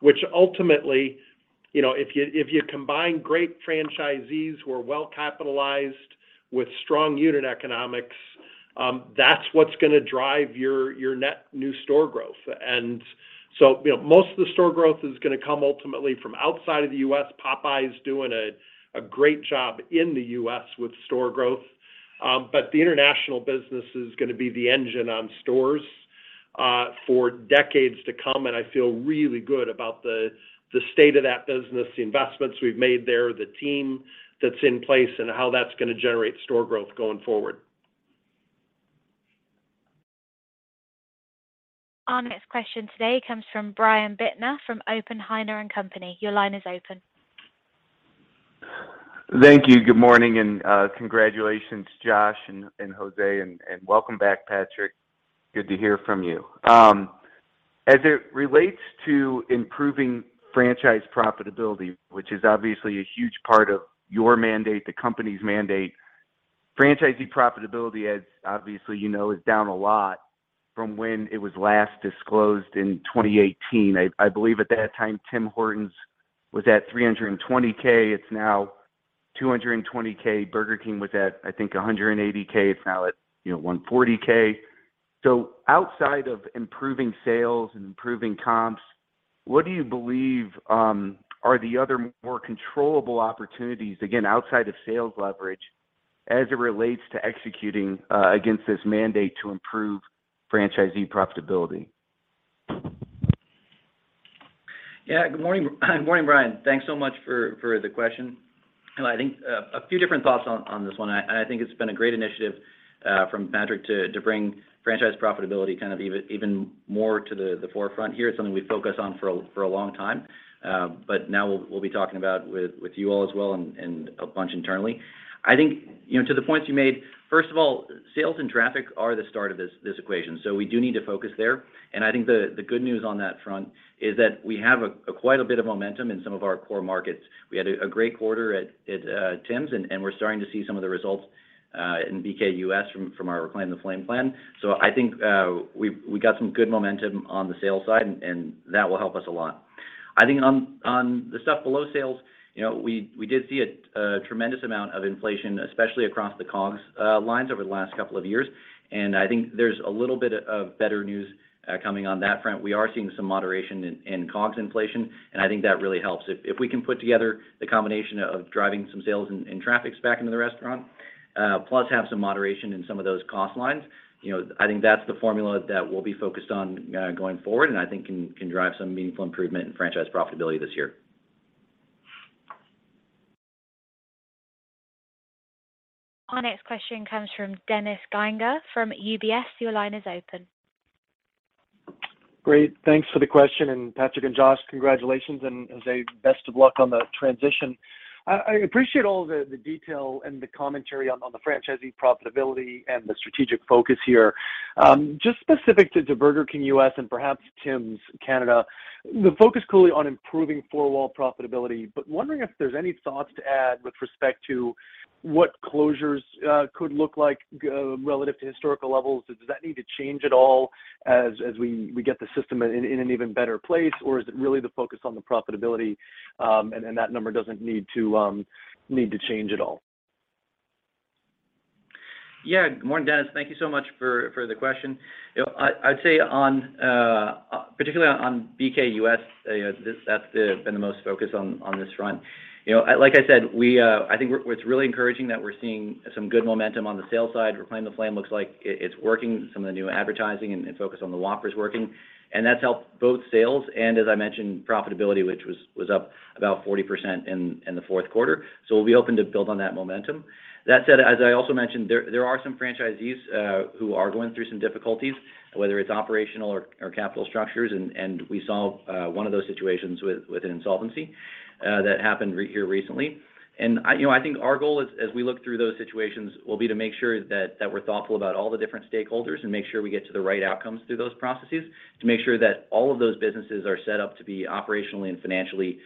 C: which ultimately, you know, if you combine great franchisees who are well-capitalized with strong unit economics, that's what's gonna drive your net new store growth. You know, most of the store growth is gonna come ultimately from outside of the U.S. Popeyes doing a great job in the U.S. with store growth. The international business is gonna be the engine on stores for decades to come. I feel really good about the state of that business, the investments we've made there, the team that's in place, and how that's gonna generate store growth going forward.
A: Our next question today comes from Brian Bittner from Oppenheimer & Company. Your line is open.
H: Thank you. Good morning, congratulations, Josh and José. Welcome back, Patrick. Good to hear from you. As it relates to improving franchise profitability, which is obviously a huge part of your mandate, the company's mandate, franchisee profitability, as obviously you know, is down a lot from when it was last disclosed in 2018. I believe at that time, Tim Hortons was at $320,000. It's now $220,000. Burger King was at, I think $180,000. It's now at, you know, $140,000. Outside of improving sales and improving comps, what do you believe are the other more controllable opportunities, again, outside of sales leverage as it relates to executing against this mandate to improve franchisee profitability?
E: Good morning. Good morning, Brian. Thanks so much for the question. I think a few different thoughts on this one. I think it's been a great initiative from Patrick to bring franchise profitability kind of even more to the forefront here. It's something we've focused on for a long time. But now we'll be talking about with you all as well and a bunch internally. I think, you know, to the points you made, first of all, sales and traffic are the start of this equation, so we do need to focus there. I think the good news on that front is that we have quite a bit of momentum in some of our core markets. We had a great quarter at Tim's and we're starting to see some of the results in BKUS from our Reclaim the Flame plan. I think we got some good momentum on the sales side, and that will help us a lot. I think on the stuff below sales, you know, we did see a tremendous amount of inflation, especially across the COGS lines over the last couple of years. I think there's a little bit of better news coming on that front. We are seeing some moderation in COGS inflation, and I think that really helps. If we can put together the combination of driving some sales and traffics back into the restaurant, plus have some moderation in some of those cost lines, you know, I think that's the formula that we'll be focused on, going forward, and I think can drive some meaningful improvement in franchise profitability this year.
A: Our next question comes from Dennis Geiger from UBS. Your line is open.
I: Great. Thanks for the question. Patrick and Josh, congratulations, and José, best of luck on the transition. I appreciate all the detail and the commentary on the franchisee profitability and the strategic focus here. Just specific to Burger King US and perhaps Tims Canada, the focus clearly on improving four-wall profitability, but wondering if there's any thoughts to add with respect to what closures could look like relative to historical levels. Does that need to change at all as we get the system in an even better place, or is it really the focus on the profitability, and then that number doesn't need to change at all?
E: Yeah. Morning, Dennis. Thank you so much for the question. You know, I'd say on particularly on BKUS, you know, that's been the most focus on this front. You know, like I said, I think it's really encouraging that we're seeing some good momentum on the sales side. Reclaim the Flame looks like it's working. Some of the new advertising and focus on the Whopper is working. That's helped both sales and as I mentioned, profitability, which was up about 40% in the fourth quarter. We'll be open to build on that momentum. That said, as I also mentioned, there are some franchisees who are going through some difficulties, whether it's operational or capital structures, and we saw one of those situations with insolvency that happened recently. I, you know, I think our goal as we look through those situations will be to make sure that we're thoughtful about all the different stakeholders and make sure we get to the right outcomes through those processes to make sure that all of those businesses are set up to be operationally and financially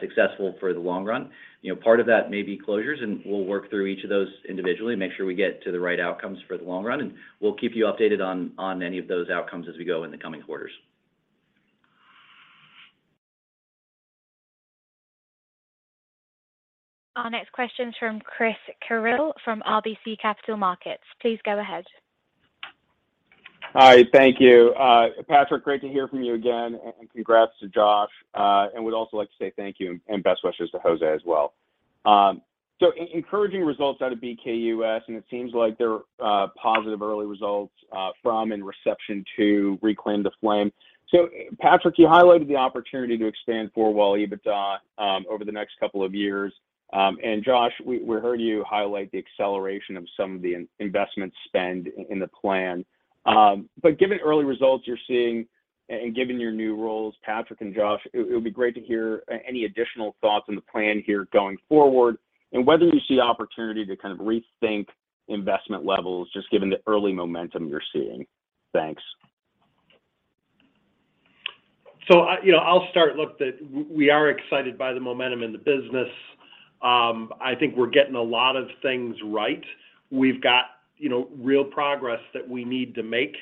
E: successful for the long run. You know, part of that may be closures, We'll work through each of those individually and make sure we get to the right outcomes for the long run. We'll keep you updated on any of those outcomes as we go in the coming quarters.
A: Our next question is from Christopher Carril from RBC Capital Markets. Please go ahead.
J: Hi. Thank you. Patrick, great to hear from you again, and congrats to Josh, and would also like to say thank you and best wishes to José as well. Encouraging results out of BKUS, and it seems like there are positive early results from and reception to Reclaim the Flame. Patrick, you highlighted the opportunity to expand four-wall EBITDA over the next couple of years. Josh, we heard you highlight the acceleration of some of the investment spend in the plan. Given early results you're seeing and given your new roles, Patrick and Josh, it would be great to hear any additional thoughts on the plan here going forward and whether you see opportunity to kind of rethink investment levels just given the early momentum you're seeing. Thanks.
C: I, you know, I'll start. Look, we are excited by the momentum in the business. I think we're getting a lot of things right. We've got, you know, real progress that we need to make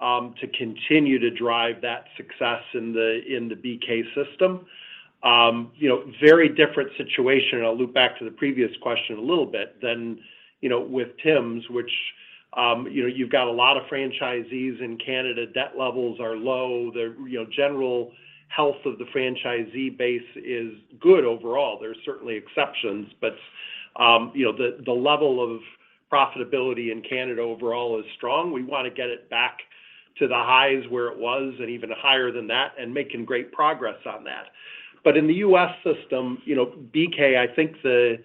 C: to continue to drive that success in the BK system. You know, very different situation, and I'll loop back to the previous question a little bit than, you know, with Tims, which, you know, you've got a lot of franchisees in Canada. Debt levels are low. The, you know, general health of the franchisee base is good overall. There's certainly exceptions, but, you know, the level of profitability in Canada overall is strong. We want to get it back to the highs where it was and even higher than that and making great progress on that. In the U.S. system, you know, BK, I think the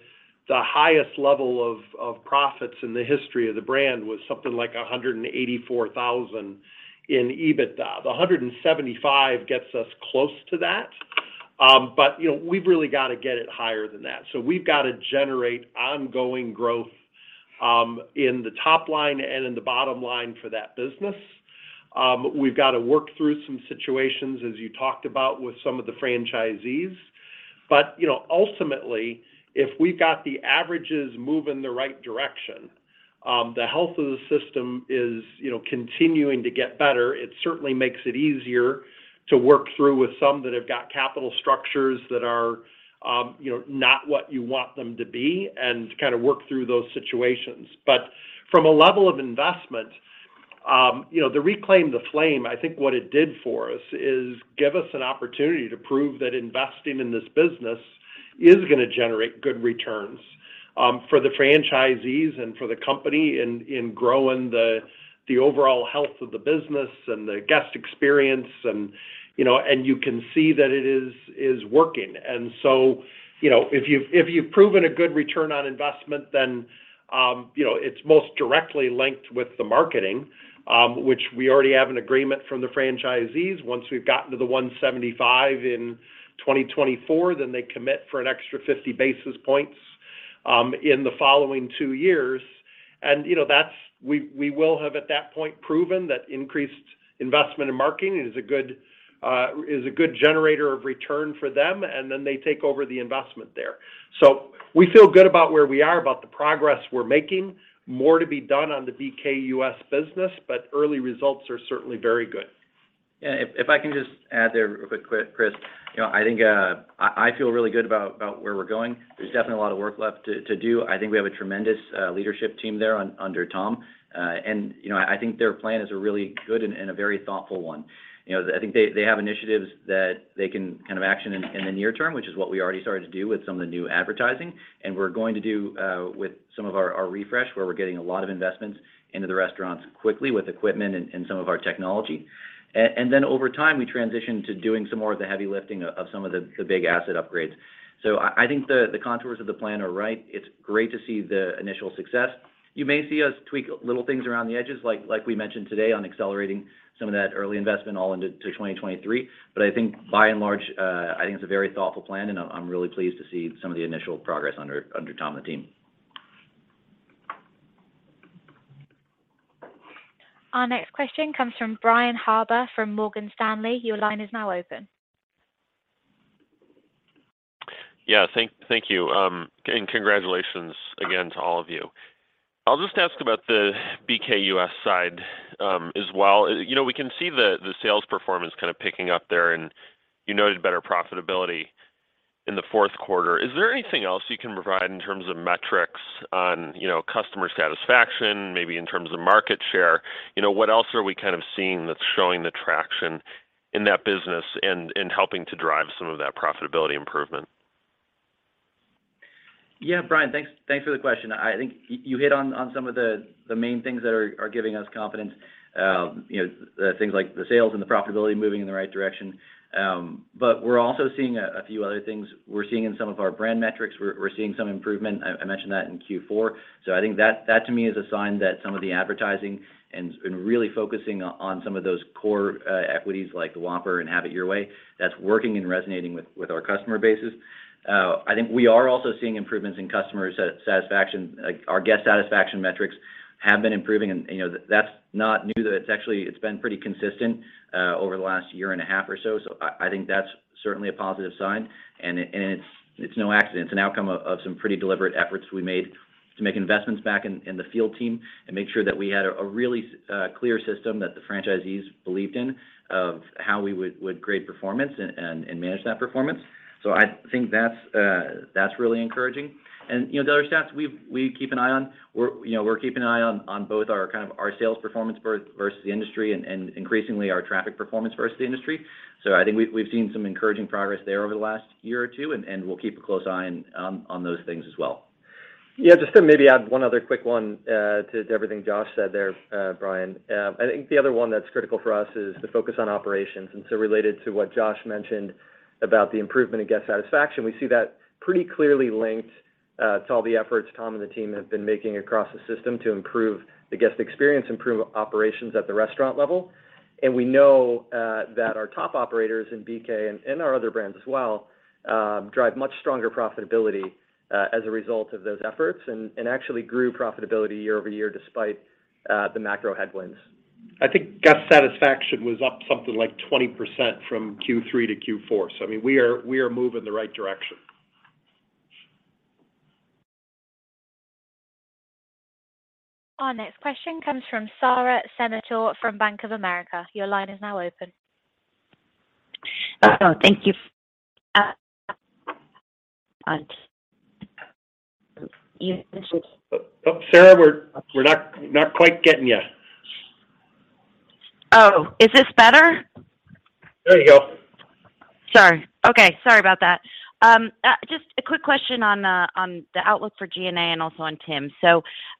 C: highest level of profits in the history of the brand was something like $184,000 in EBITDA. The $175,000 gets us close to that. You know, we've really got to get it higher than that. We've got to generate ongoing growth in the top line and in the bottom line for that business. We've got to work through some situations, as you talked about with some of the franchisees. You know, ultimately, if we've got the averages moving the right direction, the health of the system is, you know, continuing to get better. It certainly makes it easier to work through with some that have got capital structures that are, you know, not what you want them to be and to kind of work through those situations. From a level of investment, you know, the Reclaim the Flame, I think what it did for us is give us an opportunity to prove that investing in this business is gonna generate good returns, for the franchisees and for the company in growing the overall health of the business and the guest experience and, you know, and you can see that it is working. You know, if you've, if you've proven a good return on investment, then, you know, it's most directly linked with the marketing, which we already have an agreement from the franchisees. Once we've gotten to the $175,000 in 2024, then they commit for an extra 50 basis points in the following two years. You know, that's we will have at that point proven that increased investment in marketing is a good, is a good generator of return for them, and then they take over the investment there. We feel good about where we are, about the progress we're making. More to be done on the BKUS business, but early results are certainly very good.
E: If I can just add there real quick, Chris. You know, I think, I feel really good about where we're going. There's definitely a lot of work left to do. I think we have a tremendous leadership team there under Tom. You know, I think their plan is a really good and a very thoughtful one. You know, I think they have initiatives that they can kind of action in the near term, which is what we already started to do with some of the new advertising, and we're going to do with some of our refresh, where we're getting a lot of investments into the restaurants quickly with equipment and some of our technology. Then over time, we transition to doing some more of the heavy lifting of some of the big asset upgrades. I think the contours of the plan are right. It's great to see the initial success. You may see us tweak little things around the edges like we mentioned today on accelerating some of that early investment all into 2023. I think by and large, I think it's a very thoughtful plan, and I'm really pleased to see some of the initial progress under Tom and the team.
A: Our next question comes from Brian Harbour from Morgan Stanley. Your line is now open.
K: Yeah. Thank you. Congratulations again to all of you. I'll just ask about the BKUS side as well. You know, we can see the sales performance kind of picking up there. You noted better profitability in the fourth quarter. Is there anything else you can provide in terms of metrics on, you know, customer satisfaction, maybe in terms of market share? You know, what else are we kind of seeing that's showing the traction in that business and helping to drive some of that profitability improvement?
E: Yeah. Brian, thanks for the question. I think you hit on some of the main things that are giving us confidence. you know, things like the sales and the profitability moving in the right direction. We're also seeing a few other things. We're seeing in some of our brand metrics, we're seeing some improvement. I mentioned that in Q4. I think that to me is a sign that some of the advertising and really focusing on some of those core equities like the Whopper and Have It Your Way, that's working and resonating with our customer bases. I think we are also seeing improvements in customer satisfaction. Like, our guest satisfaction metrics have been improving and, you know, that's not new. That it's actually been pretty consistent over the last year and a half or so. I think that's certainly a positive sign. It's no accident. It's an outcome of some pretty deliberate efforts we made to make investments back in the field team and make sure that we had a really clear system that the franchisees believed in of how we would create performance and manage that performance. I think that's really encouraging. You know, the other stats we keep an eye on, we're keeping an eye on both our kind of our sales performance versus the industry and increasingly our traffic performance versus the industry. I think we've seen some encouraging progress there over the last year or two, and we'll keep a close eye on those things as well.
F: Yeah. Just to maybe add one other quick one to everything Josh said there, Brian. I think the other one that's critical for us is the focus on operations. Related to what Josh mentioned about the improvement in guest satisfaction, we see that pretty clearly linked to all the efforts Tom and the team have been making across the system to improve the guest experience, improve operations at the restaurant level. We know that our top operators in BK and our other brands as well drive much stronger profitability as a result of those efforts and actually grew profitability year-over-year despite the macro headwinds. I think guest satisfaction was up something like 20% from Q3 to Q4. I mean, we are moving in the right direction.
A: Our next question comes from Sara Senatore from Bank of America. Your line is now open.
L: Oh, thank you.
F: Oh, Sara, we're not quite getting you.
L: Oh, is this better?
F: There you go.
L: Sorry. Okay. Sorry about that. Just a quick question on the outlook for G&A and also on Tims.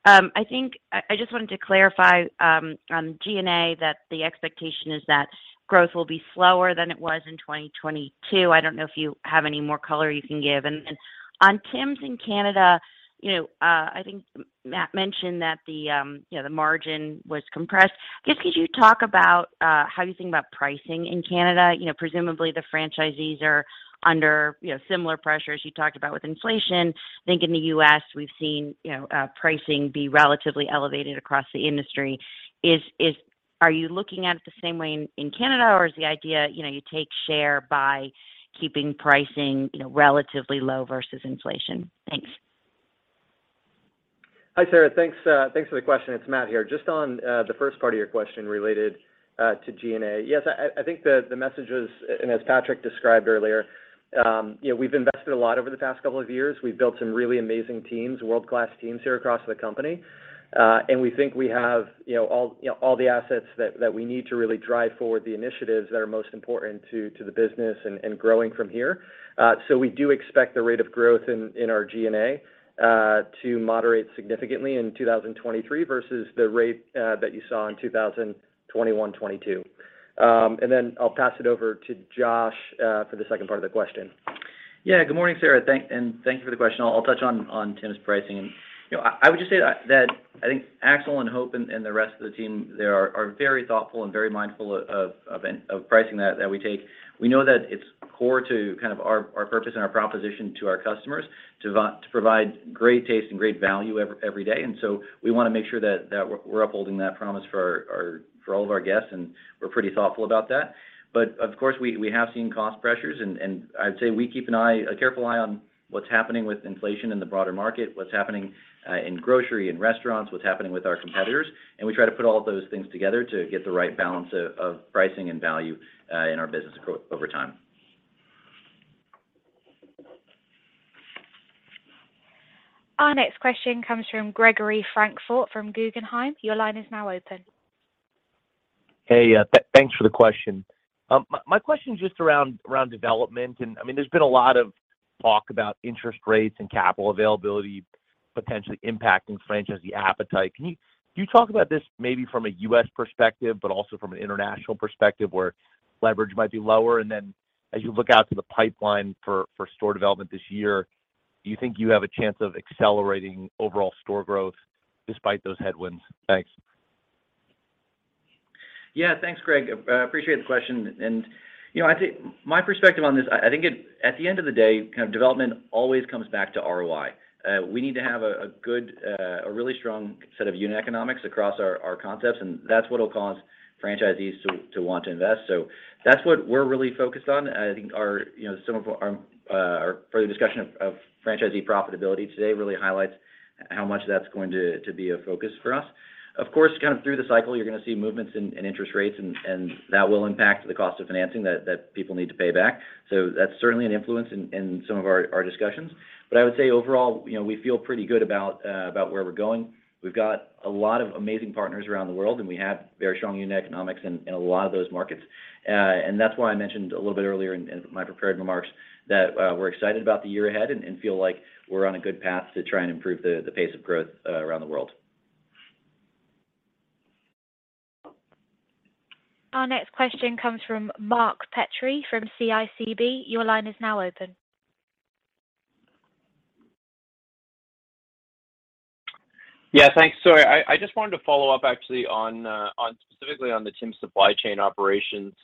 L: I think I just wanted to clarify on G&A that the expectation is that growth will be slower than it was in 2022. I don't know if you have any more color you can give? On Tims in Canada, you know, I think Matt mentioned that the, you know, the margin was compressed. I guess could you talk about how you think about pricing in Canada? You know, presumably the franchisees are under similar pressures you talked about with inflation. I think in the U.S. we've seen pricing be relatively elevated across the industry. Are you looking at it the same way in Canada, or is the idea, you know, you take share by keeping pricing, you know, relatively low versus inflation? Thanks.
F: Hi, Sara. Thanks, thanks for the question. It's Matt here. Just on the first part of your question related to G&A. Yes, I think the message was, and as Patrick described earlier, you know, we've invested a lot over the past couple of years. We've built some really amazing teams, world-class teams here across the company. And we think we have, you know, all the assets that we need to really drive forward the initiatives that are most important to the business and growing from here. We do expect the rate of growth in our G&A to moderate significantly in 2023 versus the rate that you saw in 2021, 2022. I'll pass it over to Josh for the second part of the question.
E: Yeah. Good morning, Sara. Thank you for the question. I'll touch on Tims pricing. You know, I would just say that, I think Axel and Hope and the rest of the team there are very thoughtful and very mindful of pricing that we take. We know that it's core to kind of our purpose and our proposition to our customers to provide great taste and great value every day. We wanna make sure that we're upholding that promise for our, for all of our guests, and we're pretty thoughtful about that. Of course, we have seen cost pressures, and I'd say we keep an eye, a careful eye on what's happening with inflation in the broader market, what's happening in grocery and restaurants, what's happening with our competitors, and we try to put all of those things together to get the right balance of pricing and value in our business over time.
A: Our next question comes from Gregory Francfort from Guggenheim. Your line is now open.
M: Hey, thanks for the question. My question's just around development, I mean, there's been a lot of talk about interest rates and capital availability potentially impacting franchisee appetite. Can you talk about this maybe from a U.S. perspective, also from an international perspective, where leverage might be lower? As you look out to the pipeline for store development this year, do you think you have a chance of accelerating overall store growth despite those headwinds? Thanks.
E: Yeah, thanks Greg. Appreciate the question. You know, I think my perspective on this, I think at the end of the day, kind of development always comes back to ROI. We need to have a good, a really strong set of unit economics across our concepts, and that's what'll cause franchisees to want to invest. That's what we're really focused on. I think our, you know, some of our further discussion of franchisee profitability today really highlights how much that's going to be a focus for us. Of course, kind of through the cycle, you're gonna see movements in interest rates, and that will impact the cost of financing that people need to pay back. That's certainly an influence in some of our discussions. I would say overall, you know, we feel pretty good about where we're going. We've got a lot of amazing partners around the world. We have very strong unit economics in a lot of those markets. That's why I mentioned a little bit earlier in my prepared remarks that we're excited about the year ahead and feel like we're on a good path to try and improve the pace of growth around the world.
A: Our next question comes from Mark Petrie from CIBC. Your line is now open.
N: Yeah, thanks. Sorry, I just wanted to follow up actually on specifically on the Tim's supply chain operations.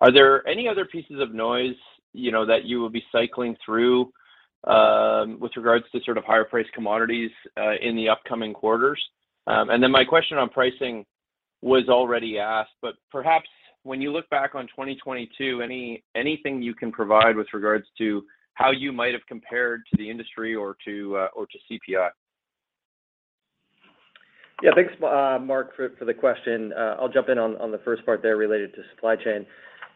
N: Are there any other pieces of noise, you know, that you will be cycling through with regards to sort of higher priced commodities in the upcoming quarters? Then my question on pricing was already asked, but perhaps when you look back on 2022, anything you can provide with regards to how you might have compared to the industry or to CPI?
E: Thanks, Mark for the question. I'll jump in on the first part there related to supply chain.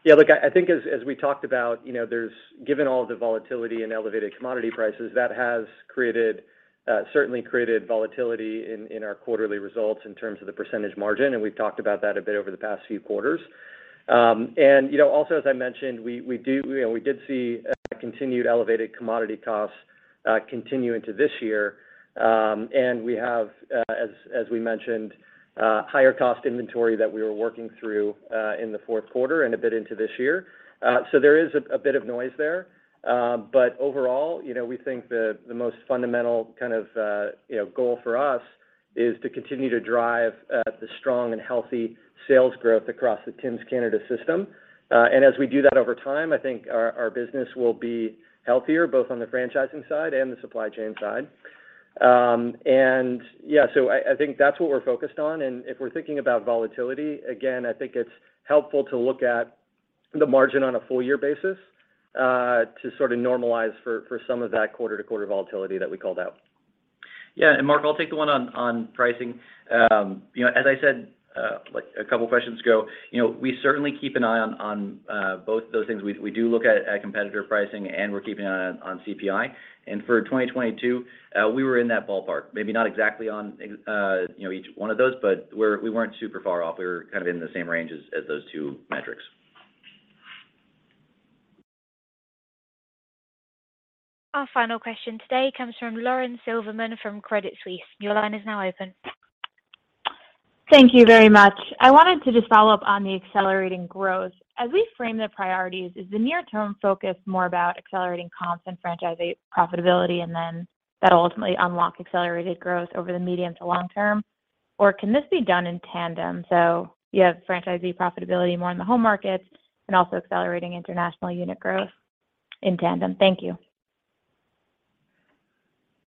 E: Look, I think as we talked about, you know, Given all the volatility and elevated commodity prices, that has created certainly created volatility in our quarterly results in terms of the percentage margin, and we've talked about that a bit over the past few quarters. You know, also as I mentioned, we did see continued elevated commodity costs continue into this year. We have as we mentioned higher cost inventory that we were working through in the fourth quarter and a bit into this year. There is a bit of noise there. Overall, you know, we think the most fundamental kind of, you know, goal for us is to continue to drive the strong and healthy sales growth across the Tim Hortons Canada system. As we do that over time, I think our business will be healthier, both on the franchising side and the supply chain side. Yeah, so I think that's what we're focused on, and if we're thinking about volatility, again, I think it's helpful to look at the margin on a full-year basis, to sort of normalize for some of that quarter-to-quarter volatility that we called out. Mark, I'll take the one on pricing. You know, as I said, like a couple questions ago, you know, we certainly keep an eye on both of those things. We do look at competitor pricing, and we're keeping an eye on CPI. For 2022, we were in that ballpark. Maybe not exactly on, you know, each one of those, but we weren't super far off. We were kind of in the same range as those two metrics.
A: Our final question today` comes from Lauren Silberman from Credit Suisse. Your line is now open.
O: Thank you very much. I wanted to just follow up on the accelerating growth. As we frame the priorities, is the near term focus more about accelerating comps and franchisee profitability, and then that'll ultimately unlock accelerated growth over the medium to long term, or can this be done in tandem? You have franchisee profitability more in the home markets and also accelerating international unit growth in tandem. Thank you.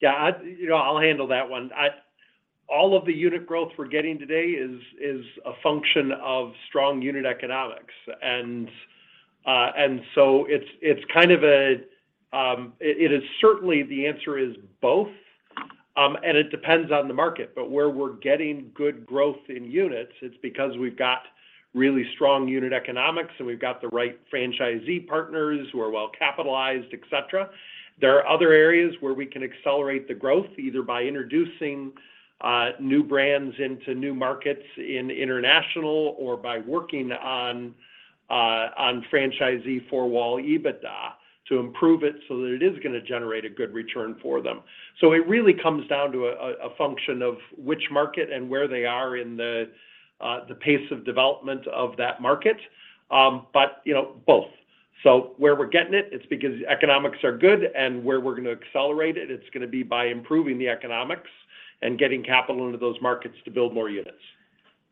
C: Yeah, you know, I'll handle that one. All of the unit growth we're getting today is a function of strong unit economics. It is certainly the answer is both, and it depends on the market. Where we're getting good growth in units, it's because we've got really strong unit economics, and we've got the right franchisee partners who are well capitalized, et cetera. There are other areas where we can accelerate the growth, either by introducing new brands into new markets in international or by working on franchisee four-wall EBITDA to improve it so that it is gonna generate a good return for them. It really comes down to a function of which market and where they are in the pace of development of that market. You know, both. Where we're getting it's because economics are good, and where we're gonna accelerate it's gonna be by improving the economics and getting capital into those markets to build more units.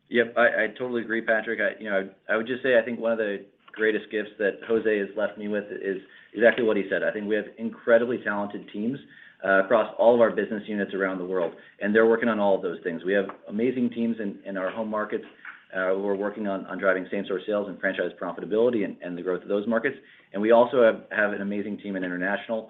E: Yep, I totally agree, Patrick. I, you know, I would just say I think one of the greatest gifts that José has left me with is exactly what he said. I think we have incredibly talented teams, across all of our business units around the world, and they're working on all of those things. We have amazing teams in our home markets, who are working on driving same store sales and franchise profitability and the growth of those markets. We also have an amazing team in international,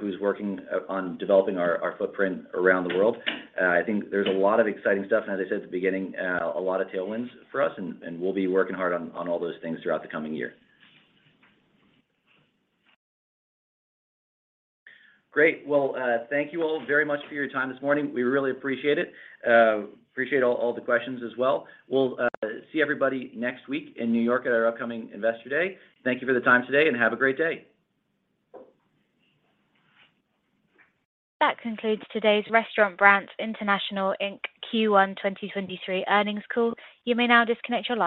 E: who's working on developing our footprint around the world. I think there's a lot of exciting stuff, and as I said at the beginning, a lot of tailwinds for us. We'll be working hard on all those things throughout the coming year. Great. Well, thank you all very much for your time this morning. We really appreciate it. Appreciate all the questions as well. We'll see everybody next week in New York at our upcoming Investor Day. Thank you for the time today, and have a great day.
A: That concludes today's Restaurant Brands International Inc. Q1 2023 earnings call. You may now disconnect your lines.